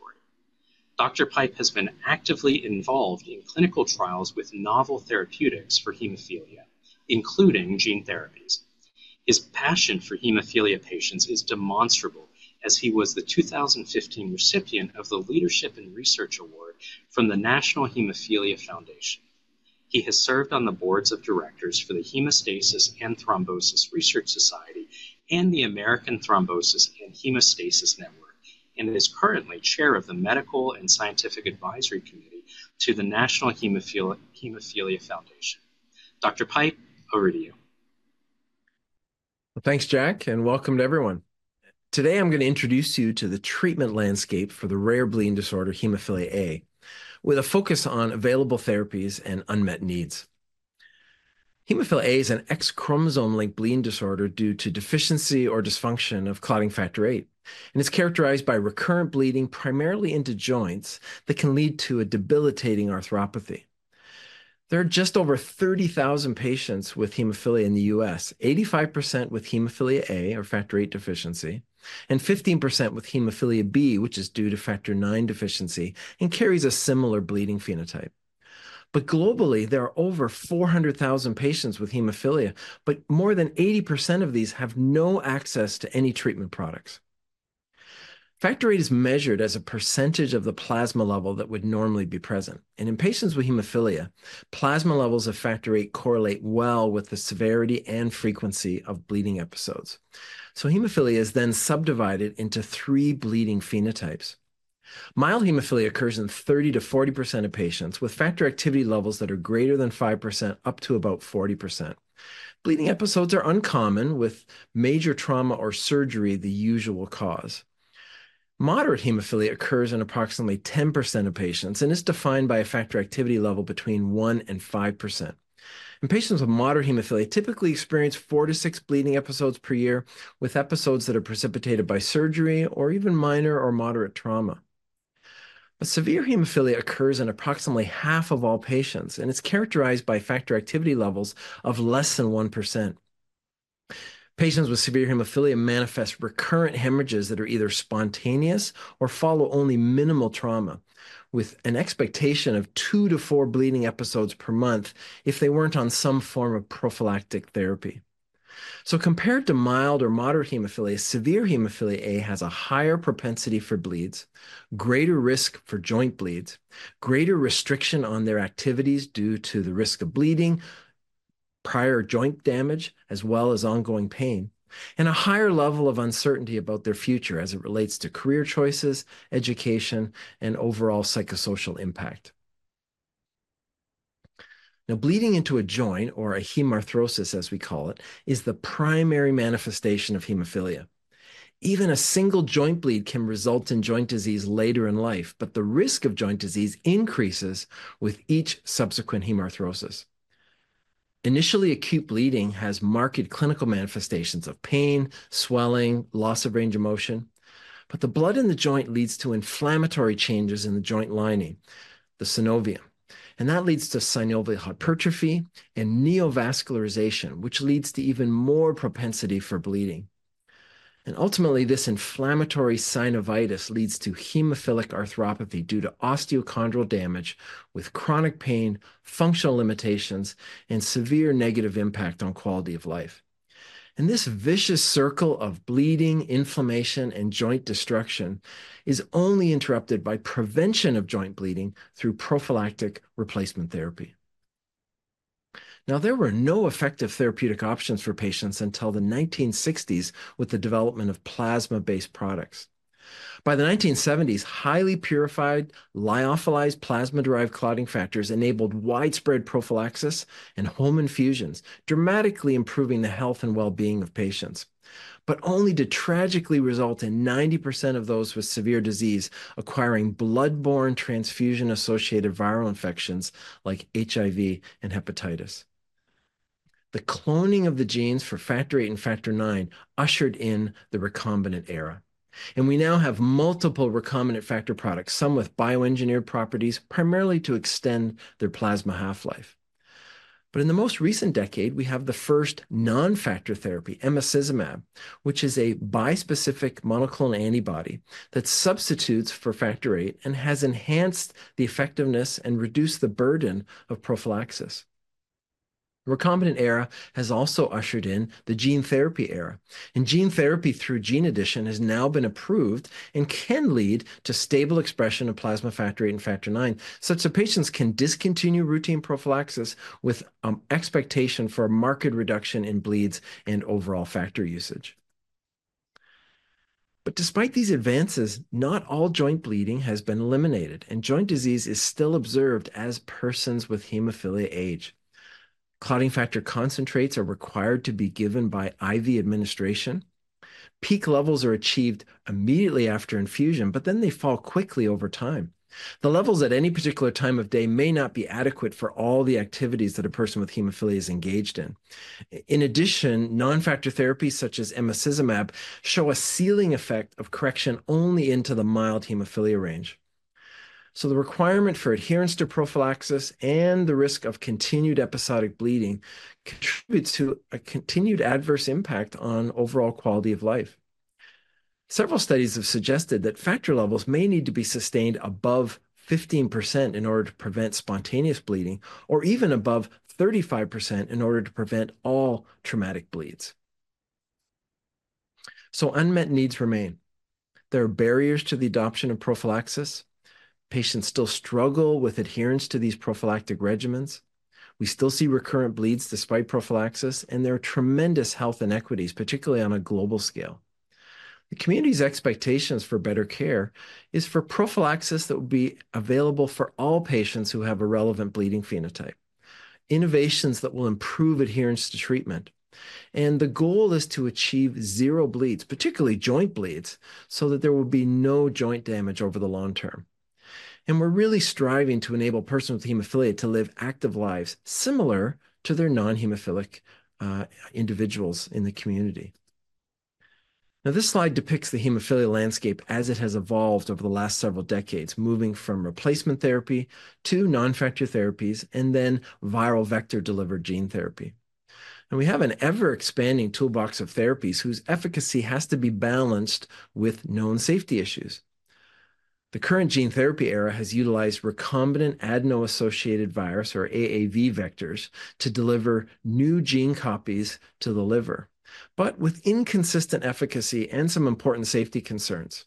Dr. Pipe has been actively involved in clinical trials with novel therapeutics for hemophilia, including gene therapies. His passion for hemophilia patients is demonstrable, as he was the 2015 recipient of the Leadership and Research Award from the National Hemophilia Foundation. He has served on the boards of directors for the Hemostasis and Thrombosis Research Society and the American Thrombosis and Hemostasis Network, and is currently chair of the Medical and Scientific Advisory Committee to the National Hemophilia Foundation. Dr. Pipe, over to you. Well, thanks, Jack, and welcome to everyone. Today I'm going to introduce you to the treatment landscape for the rare bleeding disorder hemophilia A, with a focus on available therapies and unmet needs. Hemophilia A is an X-chromosome-linked bleeding disorder due to deficiency or dysfunction of clotting Factor VIII, and it's characterized by recurrent bleeding primarily into joints that can lead to a debilitating arthropathy. There are just over 30,000 patients with hemophilia in the U.S., 85% with hemophilia A or Factor VIII deficiency and 15% with hemophilia B, which is due to Factor IX deficiency and carries a similar bleeding phenotype. But globally, there are over 400,000 patients with hemophilia, but more than 80% of these have no access to any treatment products. Factor VIII is measured as a percentage of the plasma level that would normally be present, and in patients with hemophilia, plasma levels of Factor VIII correlate well with the severity and frequency of bleeding episodes. So hemophilia is then subdivided into three bleeding phenotypes. Mild hemophilia occurs in 30%-40% of patients, with factor activity levels that are greater than 5% up to about 40%. Bleeding episodes are uncommon, with major trauma or surgery the usual cause. Moderate hemophilia occurs in approximately 10% of patients and is defined by a factor activity level between 1%-5%. And patients with moderate hemophilia typically experience 4-6 bleeding episodes per year, with episodes that are precipitated by surgery or even minor or moderate trauma. But severe hemophilia occurs in approximately half of all patients, and it's characterized by factor activity levels of less than 1%. Patients with severe hemophilia manifest recurrent hemorrhages that are either spontaneous or follow only minimal trauma, with an expectation of 2-4 bleeding episodes per month if they weren't on some form of prophylactic therapy. So compared to mild or moderate hemophilia, severe hemophilia A has a higher propensity for bleeds, greater risk for joint bleeds, greater restriction on their activities due to the risk of bleeding, prior joint damage, as well as ongoing pain, and a higher level of uncertainty about their future as it relates to career choices, education, and overall psychosocial impact. Now, bleeding into a joint, or a hemarthrosis as we call it, is the primary manifestation of hemophilia. Even a single joint bleed can result in joint disease later in life, but the risk of joint disease increases with each subsequent hemarthrosis. Initial acute bleeding has marked clinical manifestations of pain, swelling, loss of range of motion, but the blood in the joint leads to inflammatory changes in the joint lining, the synovium, and that leads to synovial hypertrophy and neovascularization, which leads to even more propensity for bleeding. Ultimately, this inflammatory synovitis leads to hemophilic arthropathy due to osteochondral damage, with chronic pain, functional limitations, and severe negative impact on quality of life. This vicious circle of bleeding, inflammation, and joint destruction is only interrupted by prevention of joint bleeding through prophylactic replacement therapy. Now, there were no effective therapeutic options for patients until the 1960s with the development of plasma-based products. By the 1970s, highly purified, lyophilized plasma-derived clotting factors enabled widespread prophylaxis and home infusions, dramatically improving the health and well-being of patients, but only to tragically result in 90% of those with severe disease acquiring bloodborne transfusion-associated viral infections like HIV and hepatitis. The cloning of the genes for Factor VIII and Factor IX ushered in the recombinant era, and we now have multiple recombinant factor products, some with bioengineered properties primarily to extend their plasma half-life. But in the most recent decade, we have the first non-factor therapy, emicizumab, which is a bispecific monoclonal antibody that substitutes for Factor VIII and has enhanced the effectiveness and reduced the burden of prophylaxis. The recombinant era has also ushered in the gene therapy era, and gene therapy through gene editing has now been approved and can lead to stable expression of plasma Factor VIII and Factor IX, such that patients can discontinue routine prophylaxis with an expectation for a marked reduction in bleeds and overall factor usage. But despite these advances, not all joint bleeding has been eliminated, and joint disease is still observed as persons with hemophilia age. Clotting factor concentrates are required to be given by IV administration. Peak levels are achieved immediately after infusion, but then they fall quickly over time. The levels at any particular time of day may not be adequate for all the activities that a person with hemophilia is engaged in. In addition, non-factor therapies such as emicizumab show a ceiling effect of correction only into the mild hemophilia range. So the requirement for adherence to prophylaxis and the risk of continued episodic bleeding contributes to a continued adverse impact on overall quality of life. Several studies have suggested that factor levels may need to be sustained above 15% in order to prevent spontaneous bleeding, or even above 35% in order to prevent all traumatic bleeds. Unmet needs remain. There are barriers to the adoption of prophylaxis. Patients still struggle with adherence to these prophylactic regimens. We still see recurrent bleeds despite prophylaxis, and there are tremendous health inequities, particularly on a global scale. The community's expectations for better care are for prophylaxis that will be available for all patients who have a relevant bleeding phenotype, innovations that will improve adherence to treatment, and the goal is to achieve zero bleeds, particularly joint bleeds, so that there will be no joint damage over the long term. We're really striving to enable persons with hemophilia to live active lives similar to their non-hemophilic individuals in the community. Now, this slide depicts the hemophilia landscape as it has evolved over the last several decades, moving from replacement therapy to non-factor therapies and then viral vector-delivered gene therapy. We have an ever-expanding toolbox of therapies whose efficacy has to be balanced with known safety issues. The current gene therapy era has utilized recombinant adeno-associated virus, or AAV vectors, to deliver new gene copies to the liver, but with inconsistent efficacy and some important safety concerns.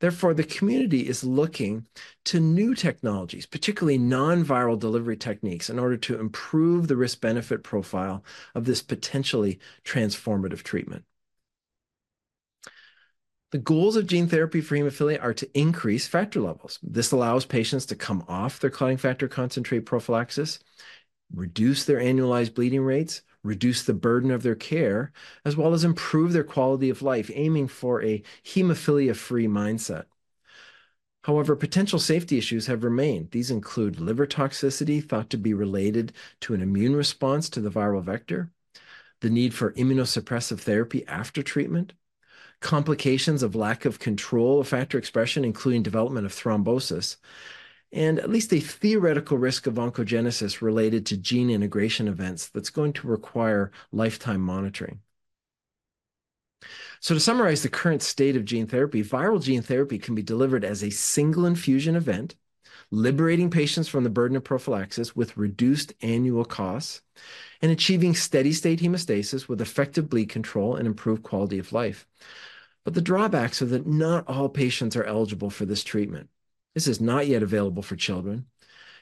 Therefore, the community is looking to new technologies, particularly non-viral delivery techniques, in order to improve the risk-benefit profile of this potentially transformative treatment. The goals of gene therapy for hemophilia are to increase factor levels. This allows patients to come off their clotting factor concentrate prophylaxis, reduce their annualized bleeding rates, reduce the burden of their care, as well as improve their quality of life, aiming for a hemophilia-free mindset. However, potential safety issues have remained. These include liver toxicity thought to be related to an immune response to the viral vector, the need for immunosuppressive therapy after treatment, complications of lack of control of factor expression, including development of thrombosis, and at least a theoretical risk of oncogenesis related to gene integration events that's going to require lifetime monitoring. To summarize the current state of gene therapy, viral gene therapy can be delivered as a single infusion event, liberating patients from the burden of prophylaxis with reduced annual costs and achieving steady-state hemostasis with effective bleed control and improved quality of life. But the drawbacks are that not all patients are eligible for this treatment. This is not yet available for children.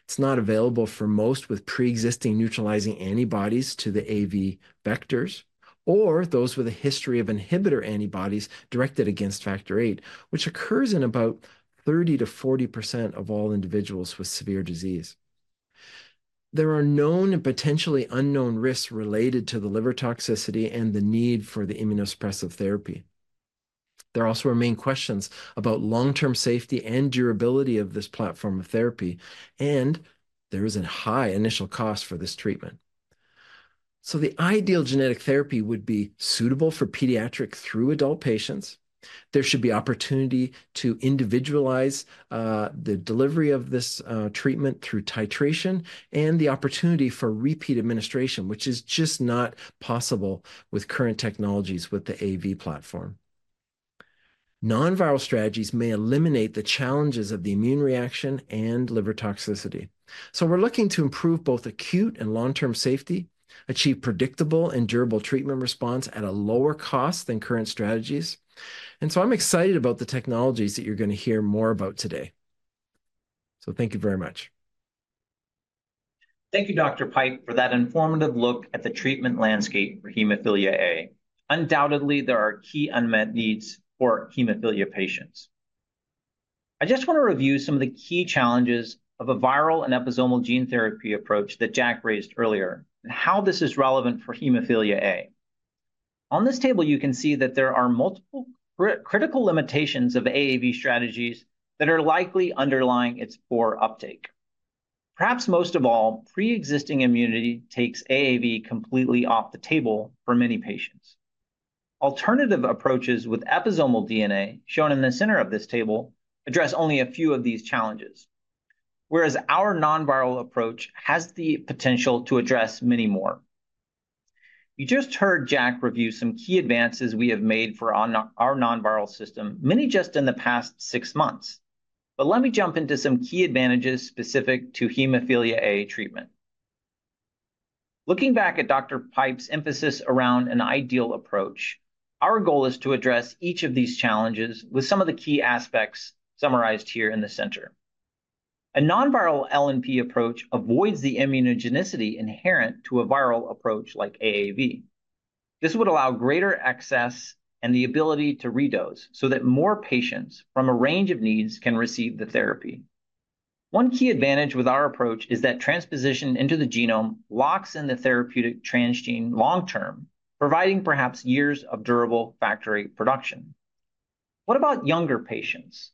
It's not available for most with preexisting neutralizing antibodies to the AAV vectors or those with a history of inhibitor antibodies directed against Factor VIII, which occurs in about 30%-40% of all individuals with severe disease. There are known and potentially unknown risks related to the liver toxicity and the need for the immunosuppressive therapy. There also are main questions about long-term safety and durability of this platform of therapy, and there is a high initial cost for this treatment. So the ideal genetic therapy would be suitable for pediatric through-adult patients. There should be opportunity to individualize the delivery of this treatment through titration and the opportunity for repeat administration, which is just not possible with current technologies with the AAV platform. Non-viral strategies may eliminate the challenges of the immune reaction and liver toxicity. So we're looking to improve both acute and long-term safety, achieve predictable and durable treatment response at a lower cost than current strategies. And so I'm excited about the technologies that you're going to hear more about today. So thank you very much. Thank you, Dr. Pipe, for that informative look at the treatment landscape for hemophilia A. Undoubtedly, there are key unmet needs for hemophilia patients. I just want to review some of the key challenges of a viral and episomal gene therapy approach that Jack raised earlier and how this is relevant for hemophilia A. On this table, you can see that there are multiple critical limitations of AAV strategies that are likely underlying its poor uptake. Perhaps most of all, preexisting immunity takes AAV completely off the table for many patients. Alternative approaches with episomal DNA, shown in the center of this table, address only a few of these challenges, whereas our non-viral approach has the potential to address many more. You just heard Jack review some key advances we have made for our non-viral system, many just in the past six months. But let me jump into some key advantages specific to hemophilia A treatment. Looking back at Dr. Pipe's emphasis around an ideal approach, our goal is to address each of these challenges with some of the key aspects summarized here in the center. A non-viral LNP approach avoids the immunogenicity inherent to a viral approach like AAV. This would allow greater access and the ability to redose so that more patients from a range of needs can receive the therapy. One key advantage with our approach is that transposition into the genome locks in the therapeutic transgene long-term, providing perhaps years of durable factory production. What about younger patients?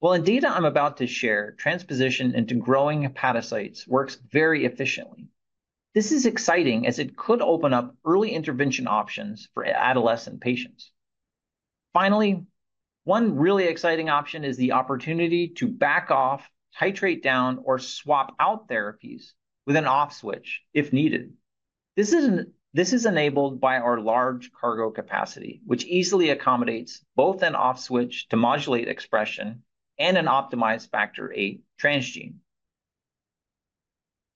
Well, in data I'm about to share, transposition into growing hepatocytes works very efficiently. This is exciting as it could open up early intervention options for adolescent patients. Finally, one really exciting option is the opportunity to back off, titrate down, or swap out therapies with an off-switch if needed. This is enabled by our large cargo capacity, which easily accommodates both an off-switch to modulate expression and an optimized Factor VIII transgene.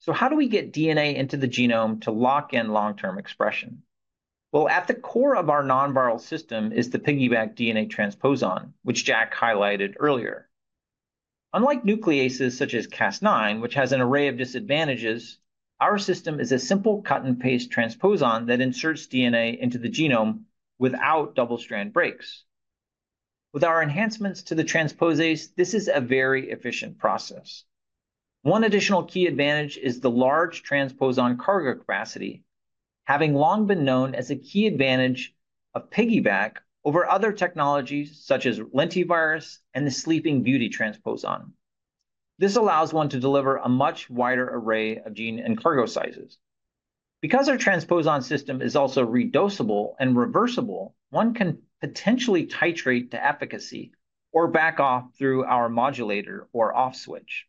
So how do we get DNA into the genome to lock in long-term expression? Well, at the core of our non-viral system is the piggyBac DNA transposon, which Jack highlighted earlier. Unlike nucleases such as Cas9, which has an array of disadvantages, our system is a simple cut-and-paste transposon that inserts DNA into the genome without double-strand breaks. With our enhancements to the transposase, this is a very efficient process. One additional key advantage is the large transposon cargo capacity, having long been known as a key advantage of piggyBac over other technologies such as lentivirus and the Sleeping Beauty transposon. This allows one to deliver a much wider array of gene and cargo sizes. Because our transposon system is also redosable and reversible, one can potentially titrate to efficacy or back off through our modulator or off-switch.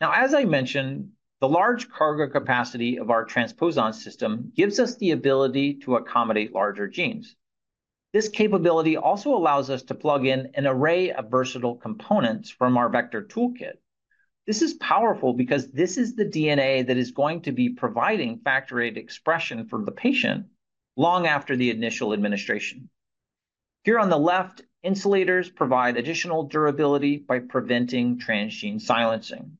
Now, as I mentioned, the large cargo capacity of our transposon system gives us the ability to accommodate larger genes. This capability also allows us to plug in an array of versatile components from our vector toolkit. This is powerful because this is the DNA that is going to be providing factory expression for the patient long after the initial administration. Here on the left, insulators provide additional durability by preventing transgene silencing.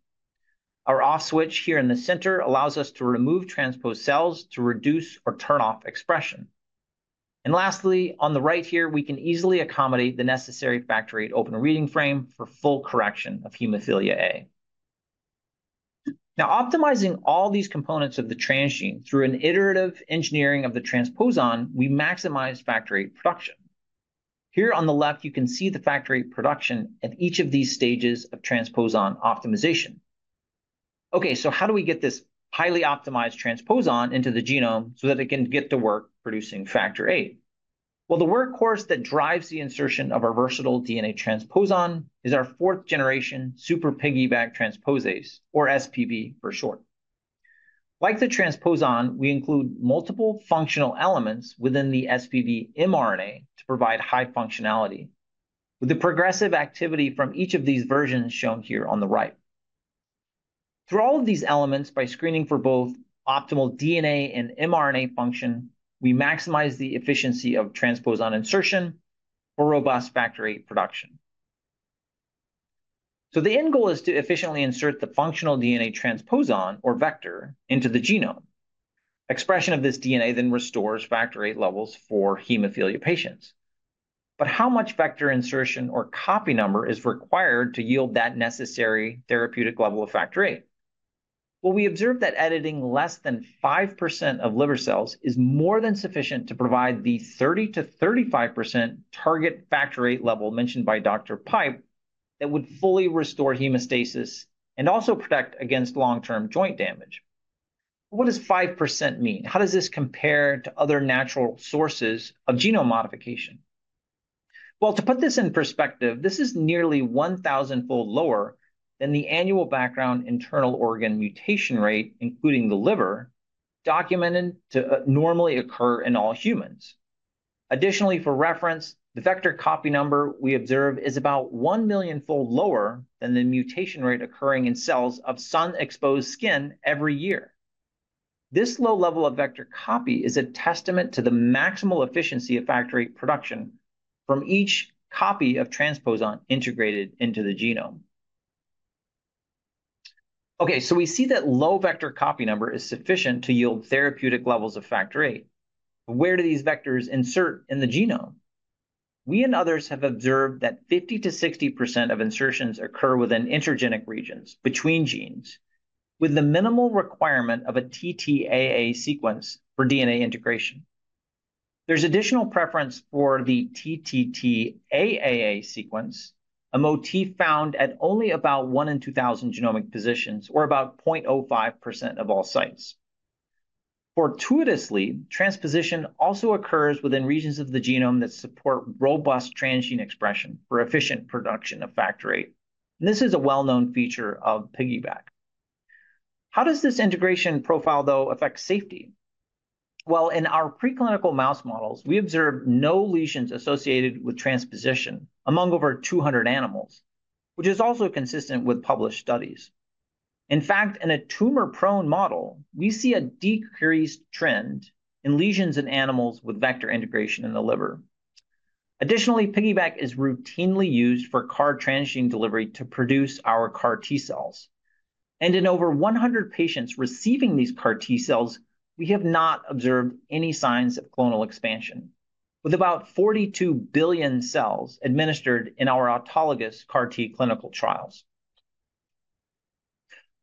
Our off-switch here in the center allows us to remove transposed cells to reduce or turn off expression. And lastly, on the right here, we can easily accommodate the necessary factory open reading frame for full correction of hemophilia A. Now, optimizing all these components of the transgene through an iterative engineering of the transposon, we maximize factory production. Here on the left, you can see the factory production at each of these stages of transposon optimization. Okay, so how do we get this highly optimized transposon into the genome so that it can get to work producing Factor VIII? Well, the workhorse that drives the insertion of our versatile DNA transposon is our fourth-generation Super PiggyBac transposase, or SPB for short. Like the transposon, we include multiple functional elements within the SPB mRNA to provide high functionality, with the progressive activity from each of these versions shown here on the right. Through all of these elements, by screening for both optimal DNA and mRNA function, we maximize the efficiency of transposon insertion for robust factory production. So the end goal is to efficiently insert the functional DNA transposon, or vector, into the genome. Expression of this DNA then restores factor levels for hemophilia patients. But how much vector insertion or copy number is required to yield that necessary therapeutic level of Factor VIII? Well, we observed that editing less than 5% of liver cells is more than sufficient to provide the 30%-35% target Factor VIII level mentioned by Dr. Pipe that would fully restore hemostasis and also protect against long-term joint damage. But what does 5% mean? How does this compare to other natural sources of genome modification? Well, to put this in perspective, this is nearly 1,000-fold lower than the annual background internal organ mutation rate, including the liver, documented to normally occur in all humans. Additionally, for reference, the vector copy number we observe is about 1 million-fold lower than the mutation rate occurring in cells of sun-exposed skin every year. This low level of vector copy is a testament to the maximal efficiency of factory production from each copy of transposon integrated into the genome. Okay, so we see that low vector copy number is sufficient to yield therapeutic levels of Factor VIII. Where do these vectors insert in the genome? We and others have observed that 50%-60% of insertions occur within intergenic regions, between genes, with the minimal requirement of a TTAA sequence for DNA integration. There's additional preference for the TTTAAA sequence, a motif found at only about 1 in 2,000 genomic positions, or about 0.05% of all sites. Fortuitously, transposition also occurs within regions of the genome that support robust transgene expression for efficient production of Factor VIII. This is a well-known feature of piggyBac. How does this integration profile, though, affect safety? Well, in our preclinical mouse models, we observed no lesions associated with transposition among over 200 animals, which is also consistent with published studies. In fact, in a tumor-prone model, we see a decreased trend in lesions in animals with vector integration in the liver. Additionally, piggyBac is routinely used for CAR T transgene delivery to produce our CAR T cells. In over 100 patients receiving these CAR T cells, we have not observed any signs of clonal expansion, with about 42 billion cells administered in our autologous CAR T clinical trials.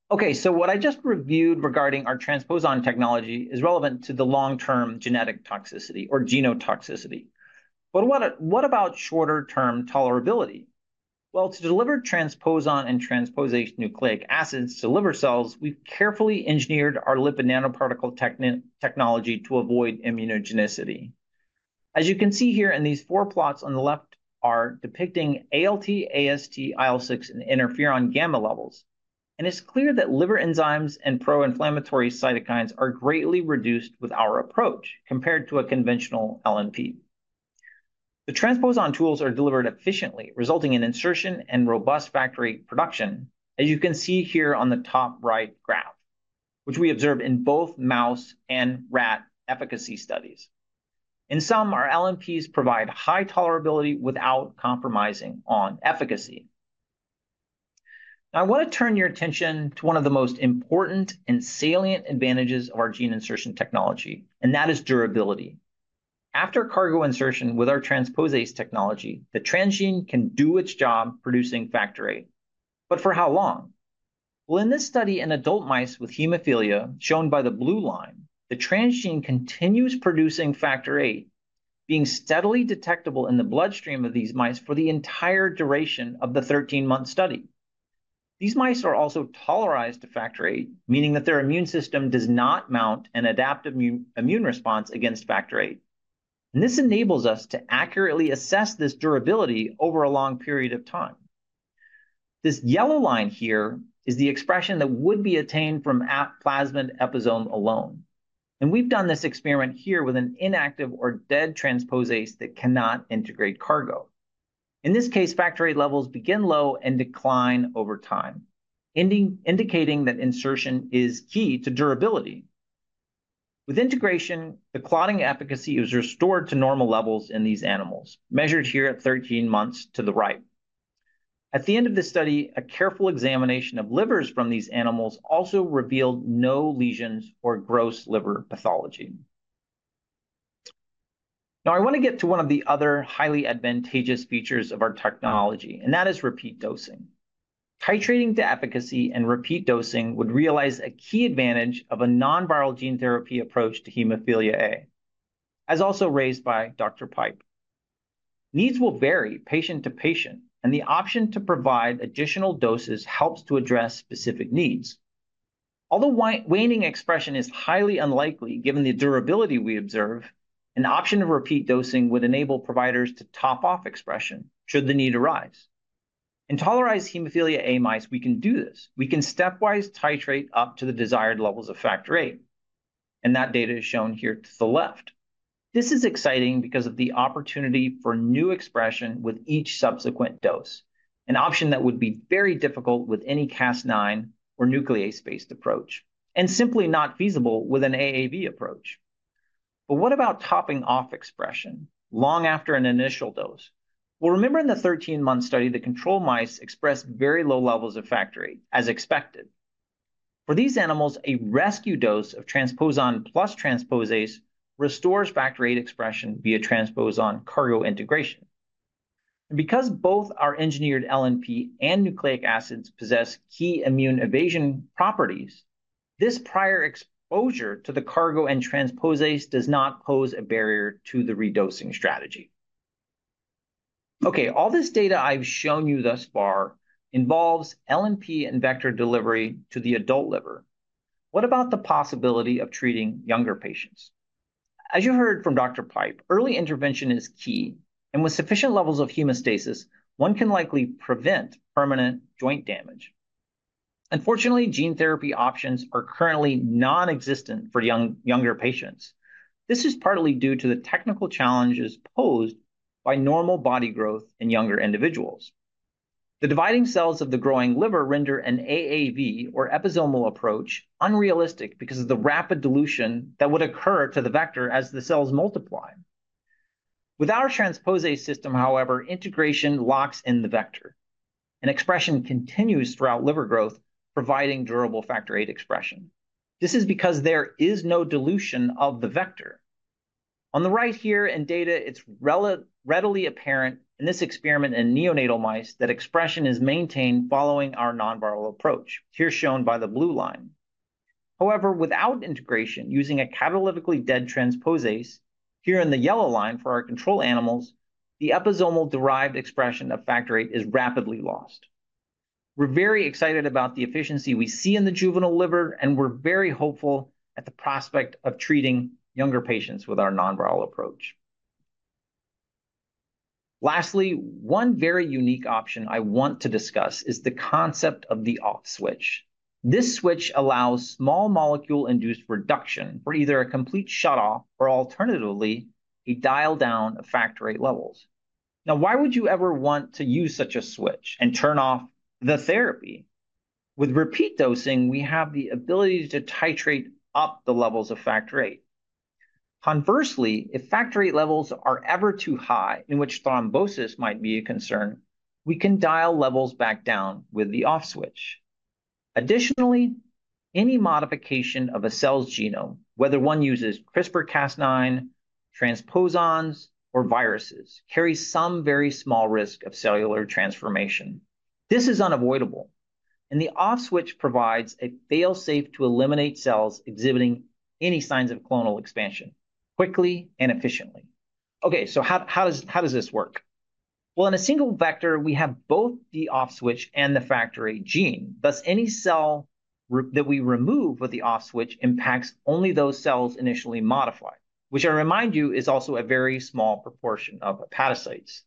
Okay, so what I just reviewed regarding our transposon technology is relevant to the long-term genetic toxicity, or genotoxicity. But what about shorter-term tolerability? Well, to deliver transposon and transposase nucleic acids to liver cells, we've carefully engineered our lipid nanoparticle technology to avoid immunogenicity. As you can see here in these four plots on the left, they are depicting ALT, AST, IL-6, and interferon gamma levels. It's clear that liver enzymes and pro-inflammatory cytokines are greatly reduced with our approach compared to a conventional LNP. The transposon tools are delivered efficiently, resulting in insertion and robust factory production, as you can see here on the top-right graph, which we observed in both mouse and rat efficacy studies. In some, our LNPs provide high tolerability without compromising on efficacy. Now, I want to turn your attention to one of the most important and salient advantages of our gene insertion technology, and that is durability. After cargo insertion with our transposase technology, the transgene can do its job producing Factor VIII. But for how long? Well, in this study, in adult mice with hemophilia, shown by the blue line, the transgene continues producing Factor VIII, being steadily detectable in the bloodstream of these mice for the entire duration of the 13-month study. These mice are also tolerized to Factor VIII, meaning that their immune system does not mount an adaptive immune response against Factor VIII. And this enables us to accurately assess this durability over a long period of time. This yellow line here is the expression that would be attained from a plasmid episome alone. And we've done this experiment here with an inactive or dead transposase that cannot integrate cargo. In this case, factor levels begin low and decline over time, indicating that insertion is key to durability. With integration, the clotting efficacy is restored to normal levels in these animals, measured here at 13 months to the right. At the end of the study, a careful examination of livers from these animals also revealed no lesions or gross liver pathology. Now, I want to get to one of the other highly advantageous features of our technology, and that is repeat dosing. Titrating to efficacy and repeat dosing would realize a key advantage of a non-viral gene therapy approach to hemophilia A, as also raised by Dr. Pipe. Needs will vary patient to patient, and the option to provide additional doses helps to address specific needs. Although waning expression is highly unlikely given the durability we observe, an option of repeat dosing would enable providers to top off expression should the need arise. In tolerized hemophilia A mice, we can do this. We can stepwise titrate up to the desired levels of Factor VIII. And that data is shown here to the left. This is exciting because of the opportunity for new expression with each subsequent dose, an option that would be very difficult with any Cas9 or nuclease-based approach, and simply not feasible with an AAV approach. But what about topping off expression long after an initial dose? Well, remember in the 13-month study, the control mice expressed very low levels of Factor VIII, as expected. For these animals, a rescue dose of transposon plus transposase restores Factor VIII expression via transposon cargo integration. And because both our engineered LNP and nucleic acids possess key immune evasion properties, this prior exposure to the cargo and transposase does not pose a barrier to the redosing strategy. Okay, all this data I've shown you thus far involves LNP and vector delivery to the adult liver. What about the possibility of treating younger patients? As you heard from Dr. Pipe, early intervention is key, and with sufficient levels of hemostasis, one can likely prevent permanent joint damage. Unfortunately, gene therapy options are currently nonexistent for younger patients. This is partly due to the technical challenges posed by normal body growth in younger individuals. The dividing cells of the growing liver render an AAV, or episomal approach, unrealistic because of the rapid dilution that would occur to the vector as the cells multiply. With our transposase system, however, integration locks in the vector, and expression continues throughout liver growth, providing durable Factor VIII expression. This is because there is no dilution of the vector. On the right here in data, it's readily apparent in this experiment in neonatal mice that expression is maintained following our non-viral approach, here shown by the blue line. However, without integration using a catalytically dead transposase, here in the yellow line for our control animals, the episomal-derived expression of Factor VIII is rapidly lost. We're very excited about the efficiency we see in the juvenile liver, and we're very hopeful at the prospect of treating younger patients with our non-viral approach. Lastly, one very unique option I want to discuss is the concept of the off-switch. This switch allows small molecule-induced reduction for either a complete shutoff or, alternatively, a dial down of Factor VIII levels. Now, why would you ever want to use such a switch and turn off the therapy? With repeat dosing, we have the ability to titrate up the levels of Factor VIII. Conversely, if Factor VIII levels are ever too high, in which thrombosis might be a concern, we can dial levels back down with the off-switch. Additionally, any modification of a cell's genome, whether one uses CRISPR-Cas9, transposons, or viruses, carries some very small risk of cellular transformation. This is unavoidable. And the off-switch provides a fail-safe to eliminate cells exhibiting any signs of clonal expansion, quickly and efficiently. Okay, so how does this work? Well, in a single vector, we have both the off-switch and the Factor VIII gene. Thus, any cell that we remove with the off-switch impacts only those cells initially modified, which, I remind you, is also a very small proportion of hepatocytes.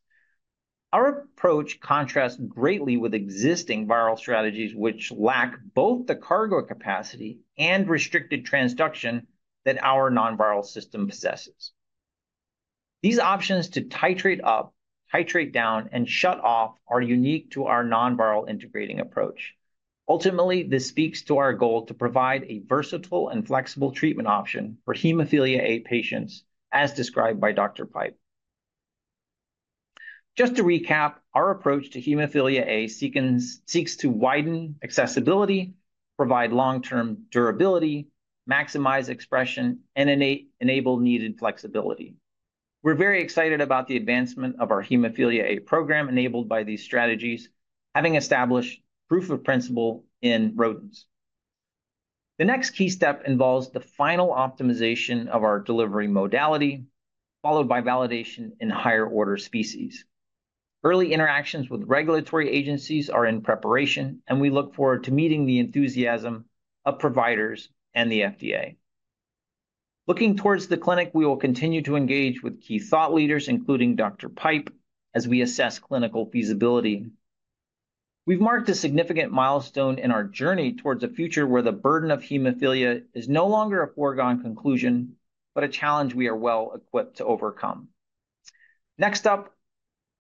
Our approach contrasts greatly with existing viral strategies, which lack both the cargo capacity and restricted transduction that our non-viral system possesses. These options to titrate up, titrate down, and shut off are unique to our non-viral integrating approach. Ultimately, this speaks to our goal to provide a versatile and flexible treatment option for hemophilia A patients, as described by Dr. Pipe. Just to recap, our approach to hemophilia A seeks to widen accessibility, provide long-term durability, maximize expression, and enable needed flexibility. We're very excited about the advancement of our hemophilia A program enabled by these strategies, having established proof of principle in rodents. The next key step involves the final optimization of our delivery modality, followed by validation in higher-order species. Early interactions with regulatory agencies are in preparation, and we look forward to meeting the enthusiasm of providers and the FDA. Looking towards the clinic, we will continue to engage with key thought leaders, including Dr. Pipe, as we assess clinical feasibility. We've marked a significant milestone in our journey towards a future where the burden of hemophilia is no longer a foregone conclusion but a challenge we are well equipped to overcome. Next up,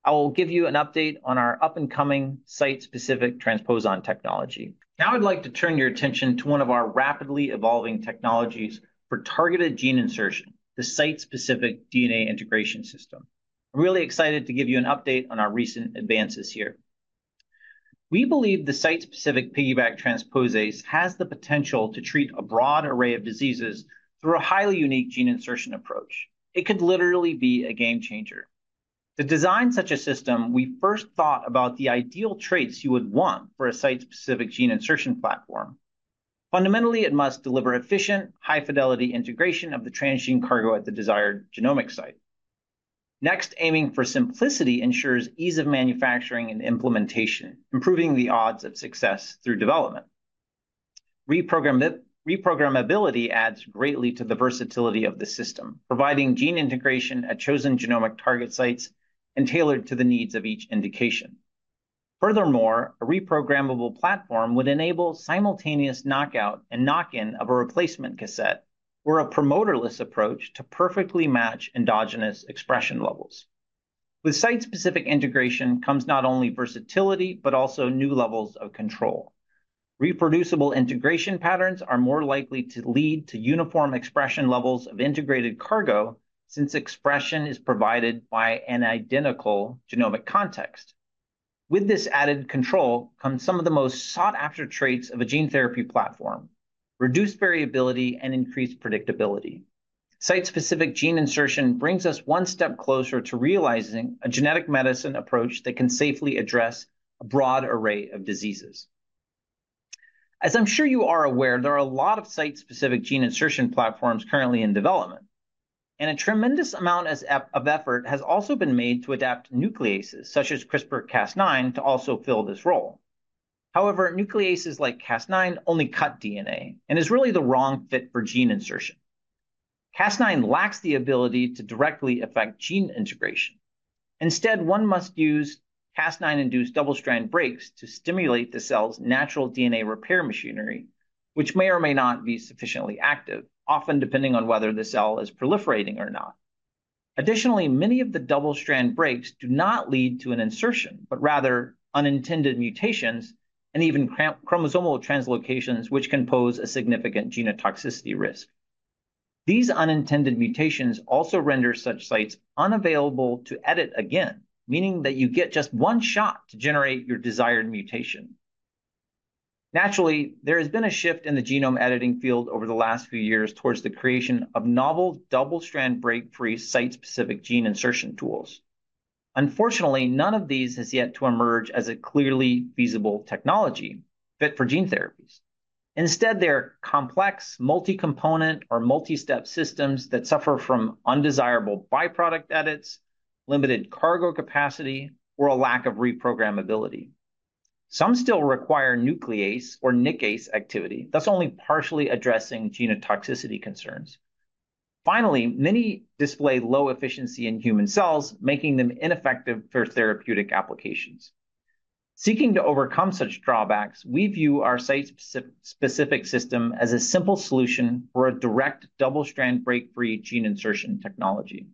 I will give you an update on our up-and-coming site-specific transposon technology. Now, I'd like to turn your attention to one of our rapidly evolving technologies for targeted gene insertion, the site-specific DNA integration system. I'm really excited to give you an update on our recent advances here. We believe the site-specific piggyBac transposase has the potential to treat a broad array of diseases through a highly unique gene insertion approach. It could literally be a game changer. To design such a system, we first thought about the ideal traits you would want for a site-specific gene insertion platform. Fundamentally, it must deliver efficient, high-fidelity integration of the transgene cargo at the desired genomic site. Next, aiming for simplicity ensures ease of manufacturing and implementation, improving the odds of success through development. Reprogrammability adds greatly to the versatility of the system, providing gene integration at chosen genomic target sites and tailored to the needs of each indication. Furthermore, a reprogrammable platform would enable simultaneous knockout and knock-in of a replacement cassette or a promoterless approach to perfectly match endogenous expression levels. With site-specific integration comes not only versatility but also new levels of control. Reproducible integration patterns are more likely to lead to uniform expression levels of integrated cargo since expression is provided by an identical genomic context. With this added control come some of the most sought-after traits of a gene therapy platform: reduced variability and increased predictability. Site-specific gene insertion brings us one step closer to realizing a genetic medicine approach that can safely address a broad array of diseases. As I'm sure you are aware, there are a lot of site-specific gene insertion platforms currently in development. A tremendous amount of effort has also been made to adapt nucleases, such as CRISPR-Cas9, to also fill this role. However, nucleases like Cas9 only cut DNA and are really the wrong fit for gene insertion. Cas9 lacks the ability to directly affect gene integration. Instead, one must use Cas9-induced double-strand breaks to stimulate the cell's natural DNA repair machinery, which may or may not be sufficiently active, often depending on whether the cell is proliferating or not. Additionally, many of the double-strand breaks do not lead to an insertion but rather unintended mutations and even chromosomal translocations, which can pose a significant genotoxicity risk. These unintended mutations also render such sites unavailable to edit again, meaning that you get just one shot to generate your desired mutation. Naturally, there has been a shift in the genome editing field over the last few years towards the creation of novel double-strand break-free site-specific gene insertion tools. Unfortunately, none of these has yet to emerge as a clearly feasible technology fit for gene therapies. Instead, they're complex multi-component or multi-step systems that suffer from undesirable byproduct edits, limited cargo capacity, or a lack of reprogrammability. Some still require nuclease or nickase activity, thus only partially addressing genotoxicity concerns. Finally, many display low efficiency in human cells, making them ineffective for therapeutic applications. Seeking to overcome such drawbacks, we view our site-specific system as a simple solution for a direct double-strand break-free gene insertion technology.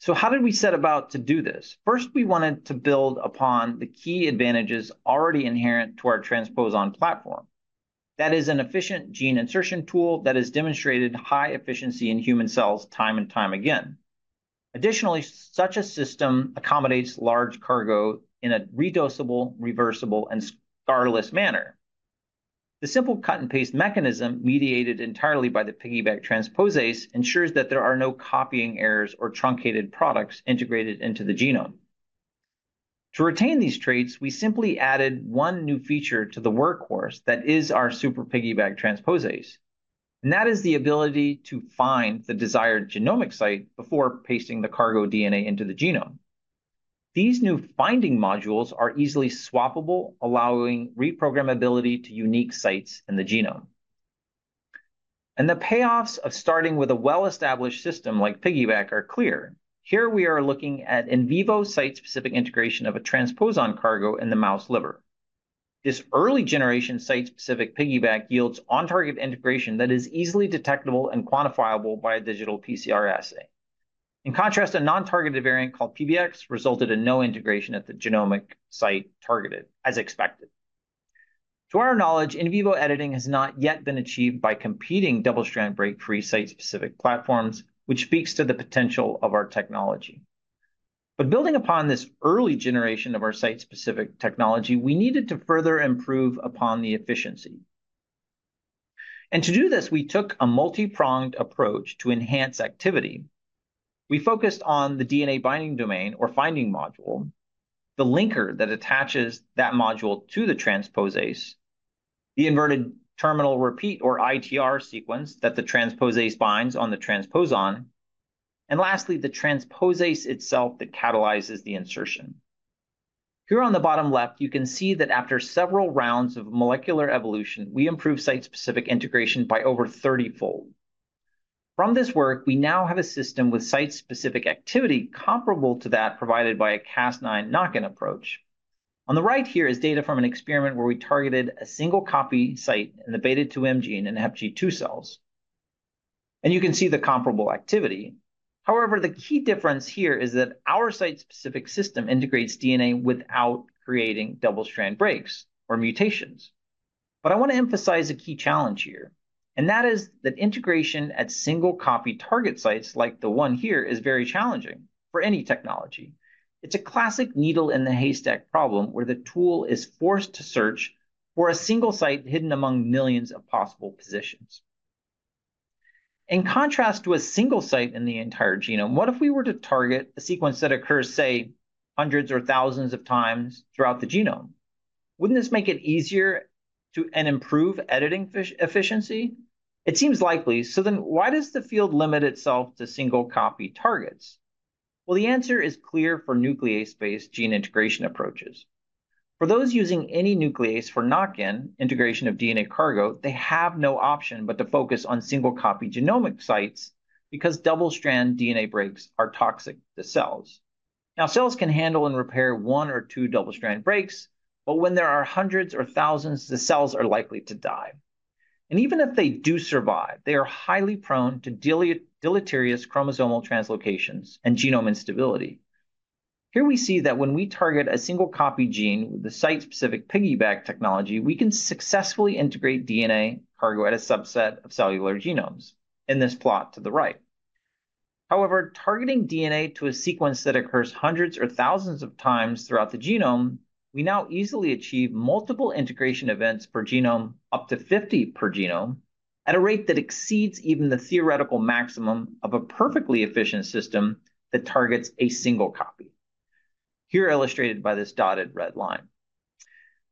So how did we set about to do this? First, we wanted to build upon the key advantages already inherent to our transposon platform. That is, an efficient gene insertion tool that has demonstrated high efficiency in human cells time and time again. Additionally, such a system accommodates large cargo in a redosable, reversible, and scarless manner. The simple cut-and-paste mechanism, mediated entirely by the piggyBac transposase, ensures that there are no copying errors or truncated products integrated into the genome. To retain these traits, we simply added one new feature to the workhorse that is our Super PiggyBac transposase. That is the ability to find the desired genomic site before pasting the cargo DNA into the genome. These new finding modules are easily swappable, allowing reprogrammability to unique sites in the genome. The payoffs of starting with a well-established system like piggyBac are clear. Here we are looking at in vivo site-specific integration of a transposon cargo in the mouse liver. This early-generation site-specific piggyBac yields on-target integration that is easily detectable and quantifiable by a digital PCR assay. In contrast, a non-targeted variant called PBX resulted in no integration at the genomic site targeted, as expected. To our knowledge, in vivo editing has not yet been achieved by competing double-strand break-free site-specific platforms, which speaks to the potential of our technology. Building upon this early generation of our site-specific technology, we needed to further improve upon the efficiency. To do this, we took a multi-pronged approach to enhance activity. We focused on the DNA binding domain, or binding module, the linker that attaches that module to the transposase, the inverted terminal repeat, or ITR, sequence that the transposase binds on the transposon, and lastly, the transposase itself that catalyzes the insertion. Here on the bottom left, you can see that after several rounds of molecular evolution, we improved site-specific integration by over 30-fold. From this work, we now have a system with site-specific activity comparable to that provided by a Cas9 knock-in approach. On the right here is data from an experiment where we targeted a single copy site in the B2M gene and HepG2 cells. You can see the comparable activity. However, the key difference here is that our site-specific system integrates DNA without creating double-strand breaks or mutations. I want to emphasize a key challenge here. That is that integration at single copy target sites, like the one here, is very challenging for any technology. It's a classic needle-in-the-haystack problem where the tool is forced to search for a single site hidden among millions of possible positions. In contrast to a single site in the entire genome, what if we were to target a sequence that occurs, say, hundreds or thousands of times throughout the genome? Wouldn't this make it easier to improve editing efficiency? It seems likely. So then why does the field limit itself to single copy targets? Well, the answer is clear for nuclease-based gene integration approaches. For those using any nuclease for knock-in integration of DNA cargo, they have no option but to focus on single copy genomic sites because double-strand DNA breaks are toxic to cells. Now, cells can handle and repair one or two double-strand breaks, but when there are hundreds or thousands, the cells are likely to die. And even if they do survive, they are highly prone to deleterious chromosomal translocations and genome instability. Here we see that when we target a single copy gene with the site-specific piggyBac technology, we can successfully integrate DNA cargo at a subset of cellular genomes in this plot to the right. However, targeting DNA to a sequence that occurs hundreds or thousands of times throughout the genome, we now easily achieve multiple integration events per genome, up to 50 per genome, at a rate that exceeds even the theoretical maximum of a perfectly efficient system that targets a single copy, here illustrated by this dotted red line.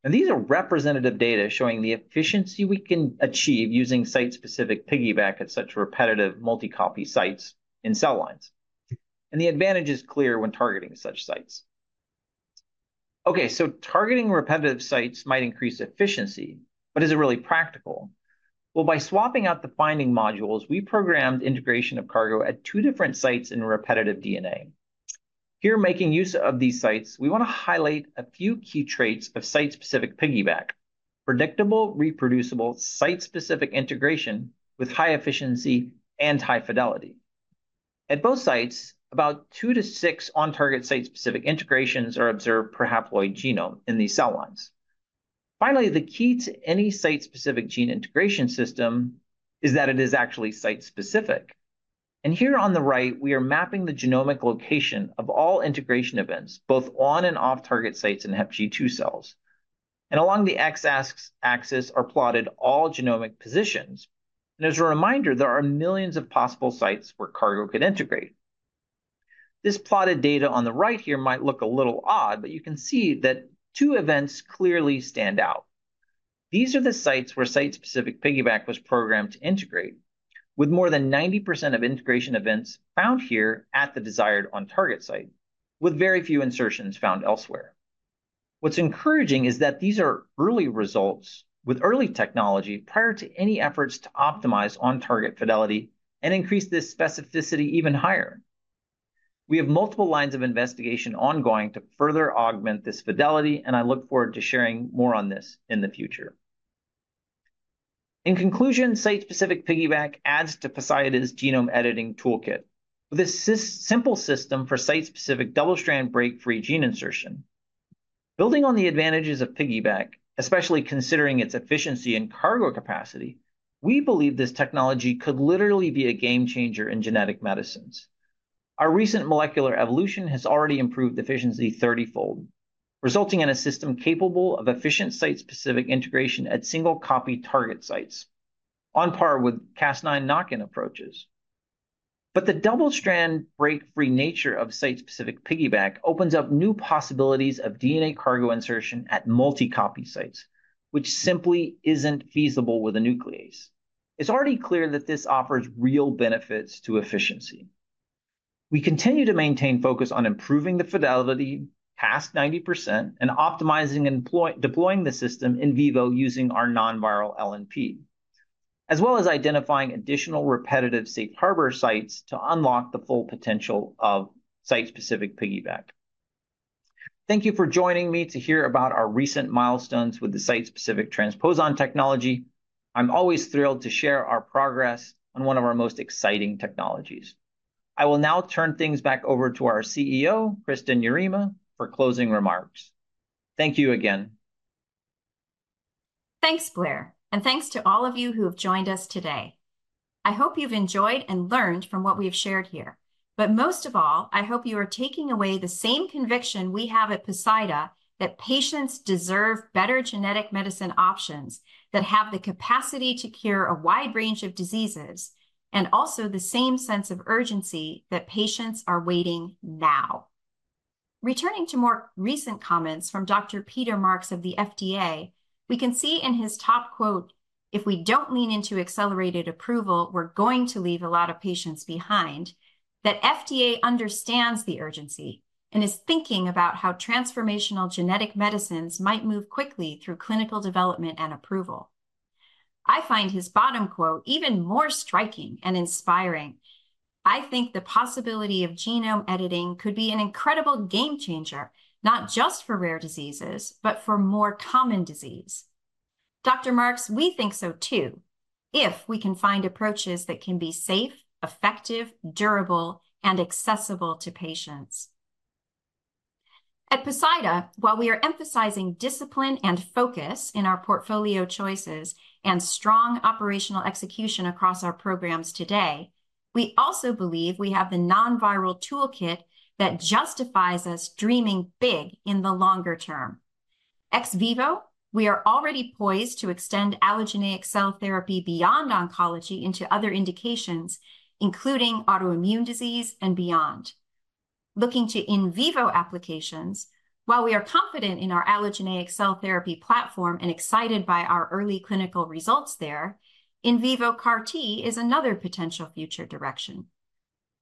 These are representative data showing the efficiency we can achieve using site-specific piggyBac at such repetitive multi-copy sites in cell lines. The advantage is clear when targeting such sites. Okay, so targeting repetitive sites might increase efficiency, but is it really practical? Well, by swapping out the finding modules, we programmed integration of cargo at two different sites in repetitive DNA. Here, making use of these sites, we want to highlight a few key traits of site-specific piggyBac: predictable, reproducible, site-specific integration with high efficiency and high fidelity. At both sites, about 2-6 on-target site-specific integrations are observed per haploid genome in these cell lines. Finally, the key to any site-specific gene integration system is that it is actually site-specific. Here on the right, we are mapping the genomic location of all integration events, both on and off-target sites in HepG2 cells. Along the X-axis are plotted all genomic positions. As a reminder, there are millions of possible sites where cargo could integrate. This plotted data on the right here might look a little odd, but you can see that two events clearly stand out. These are the sites where site-specific piggyBac was programmed to integrate, with more than 90% of integration events found here at the desired on-target site with very few insertions found elsewhere. What's encouraging is that these are early results with early technology prior to any efforts to optimize on-target fidelity and increase this specificity even higher. We have multiple lines of investigation ongoing to further augment this fidelity, and I look forward to sharing more on this in the future. In conclusion, site-specific piggyBac adds to Poseida's genome editing toolkit with a simple system for site-specific double-strand break-free gene insertion. Building on the advantages of piggyBac, especially considering its efficiency and cargo capacity, we believe this technology could literally be a game changer in genetic medicines. Our recent molecular evolution has already improved efficiency 30-fold, resulting in a system capable of efficient site-specific integration at single copy target sites on par with Cas9 knock-in approaches. But the double-strand break-free nature of site-specific piggyBac opens up new possibilities of DNA cargo insertion at multi-copy sites, which simply isn't feasible with a nuclease. It's already clear that this offers real benefits to efficiency. We continue to maintain focus on improving the fidelity past 90% and optimizing and deploying the system in vivo using our non-viral LNP, as well as identifying additional repetitive safe harbor sites to unlock the full potential of site-specific piggyBac. Thank you for joining me to hear about our recent milestones with the site-specific transposon technology. I'm always thrilled to share our progress on one of our most exciting technologies. I will now turn things back over to our CEO, Kristin Yarema, for closing remarks. Thank you again. Thanks, Blair. Thanks to all of you who have joined us today. I hope you've enjoyed and learned from what we have shared here. But most of all, I hope you are taking away the same conviction we have at Poseida that patients deserve better genetic medicine options that have the capacity to cure a wide range of diseases, and also the same sense of urgency that patients are waiting now. Returning to more recent comments from Dr. Peter Marks of the FDA, we can see in his top quote, "If we don't lean into accelerated approval, we're going to leave a lot of patients behind," that FDA understands the urgency and is thinking about how transformational genetic medicines might move quickly through clinical development and approval. I find his bottom quote even more striking and inspiring. I think the possibility of genome editing could be an incredible game changer, not just for rare diseases, but for more common diseases. Dr. Marks, we think so too, if we can find approaches that can be safe, effective, durable, and accessible to patients. At Poseida, while we are emphasizing discipline and focus in our portfolio choices and strong operational execution across our programs today, we also believe we have the non-viral toolkit that justifies us dreaming big in the longer term. Ex vivo, we are already poised to extend allogeneic cell therapy beyond oncology into other indications, including autoimmune disease and beyond. Looking to in vivo applications, while we are confident in our allogeneic cell therapy platform and excited by our early clinical results there, in vivo CAR-T is another potential future direction.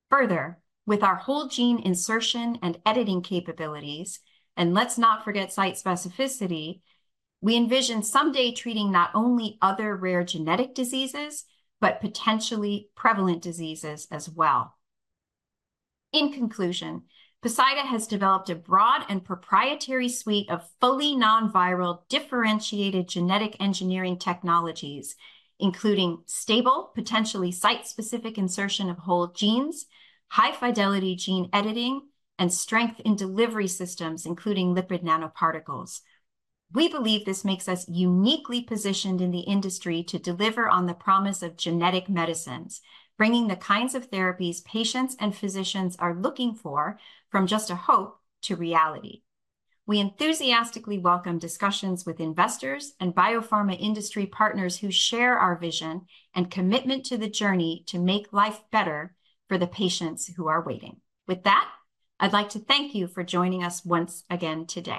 Further, with our whole gene insertion and editing capabilities, and let's not forget site specificity, we envision someday treating not only other rare genetic diseases but potentially prevalent diseases as well. In conclusion, Poseida has developed a broad and proprietary suite of fully non-viral differentiated genetic engineering technologies, including stable, potentially site-specific insertion of whole genes, high fidelity gene editing, and strength in delivery systems, including lipid nanoparticles. We believe this makes us uniquely positioned in the industry to deliver on the promise of genetic medicines, bringing the kinds of therapies patients and physicians are looking for from just a hope to reality. We enthusiastically welcome discussions with investors and biopharma industry partners who share our vision and commitment to the journey to make life better for the patients who are waiting. With that, I'd like to thank you for joining us once again today.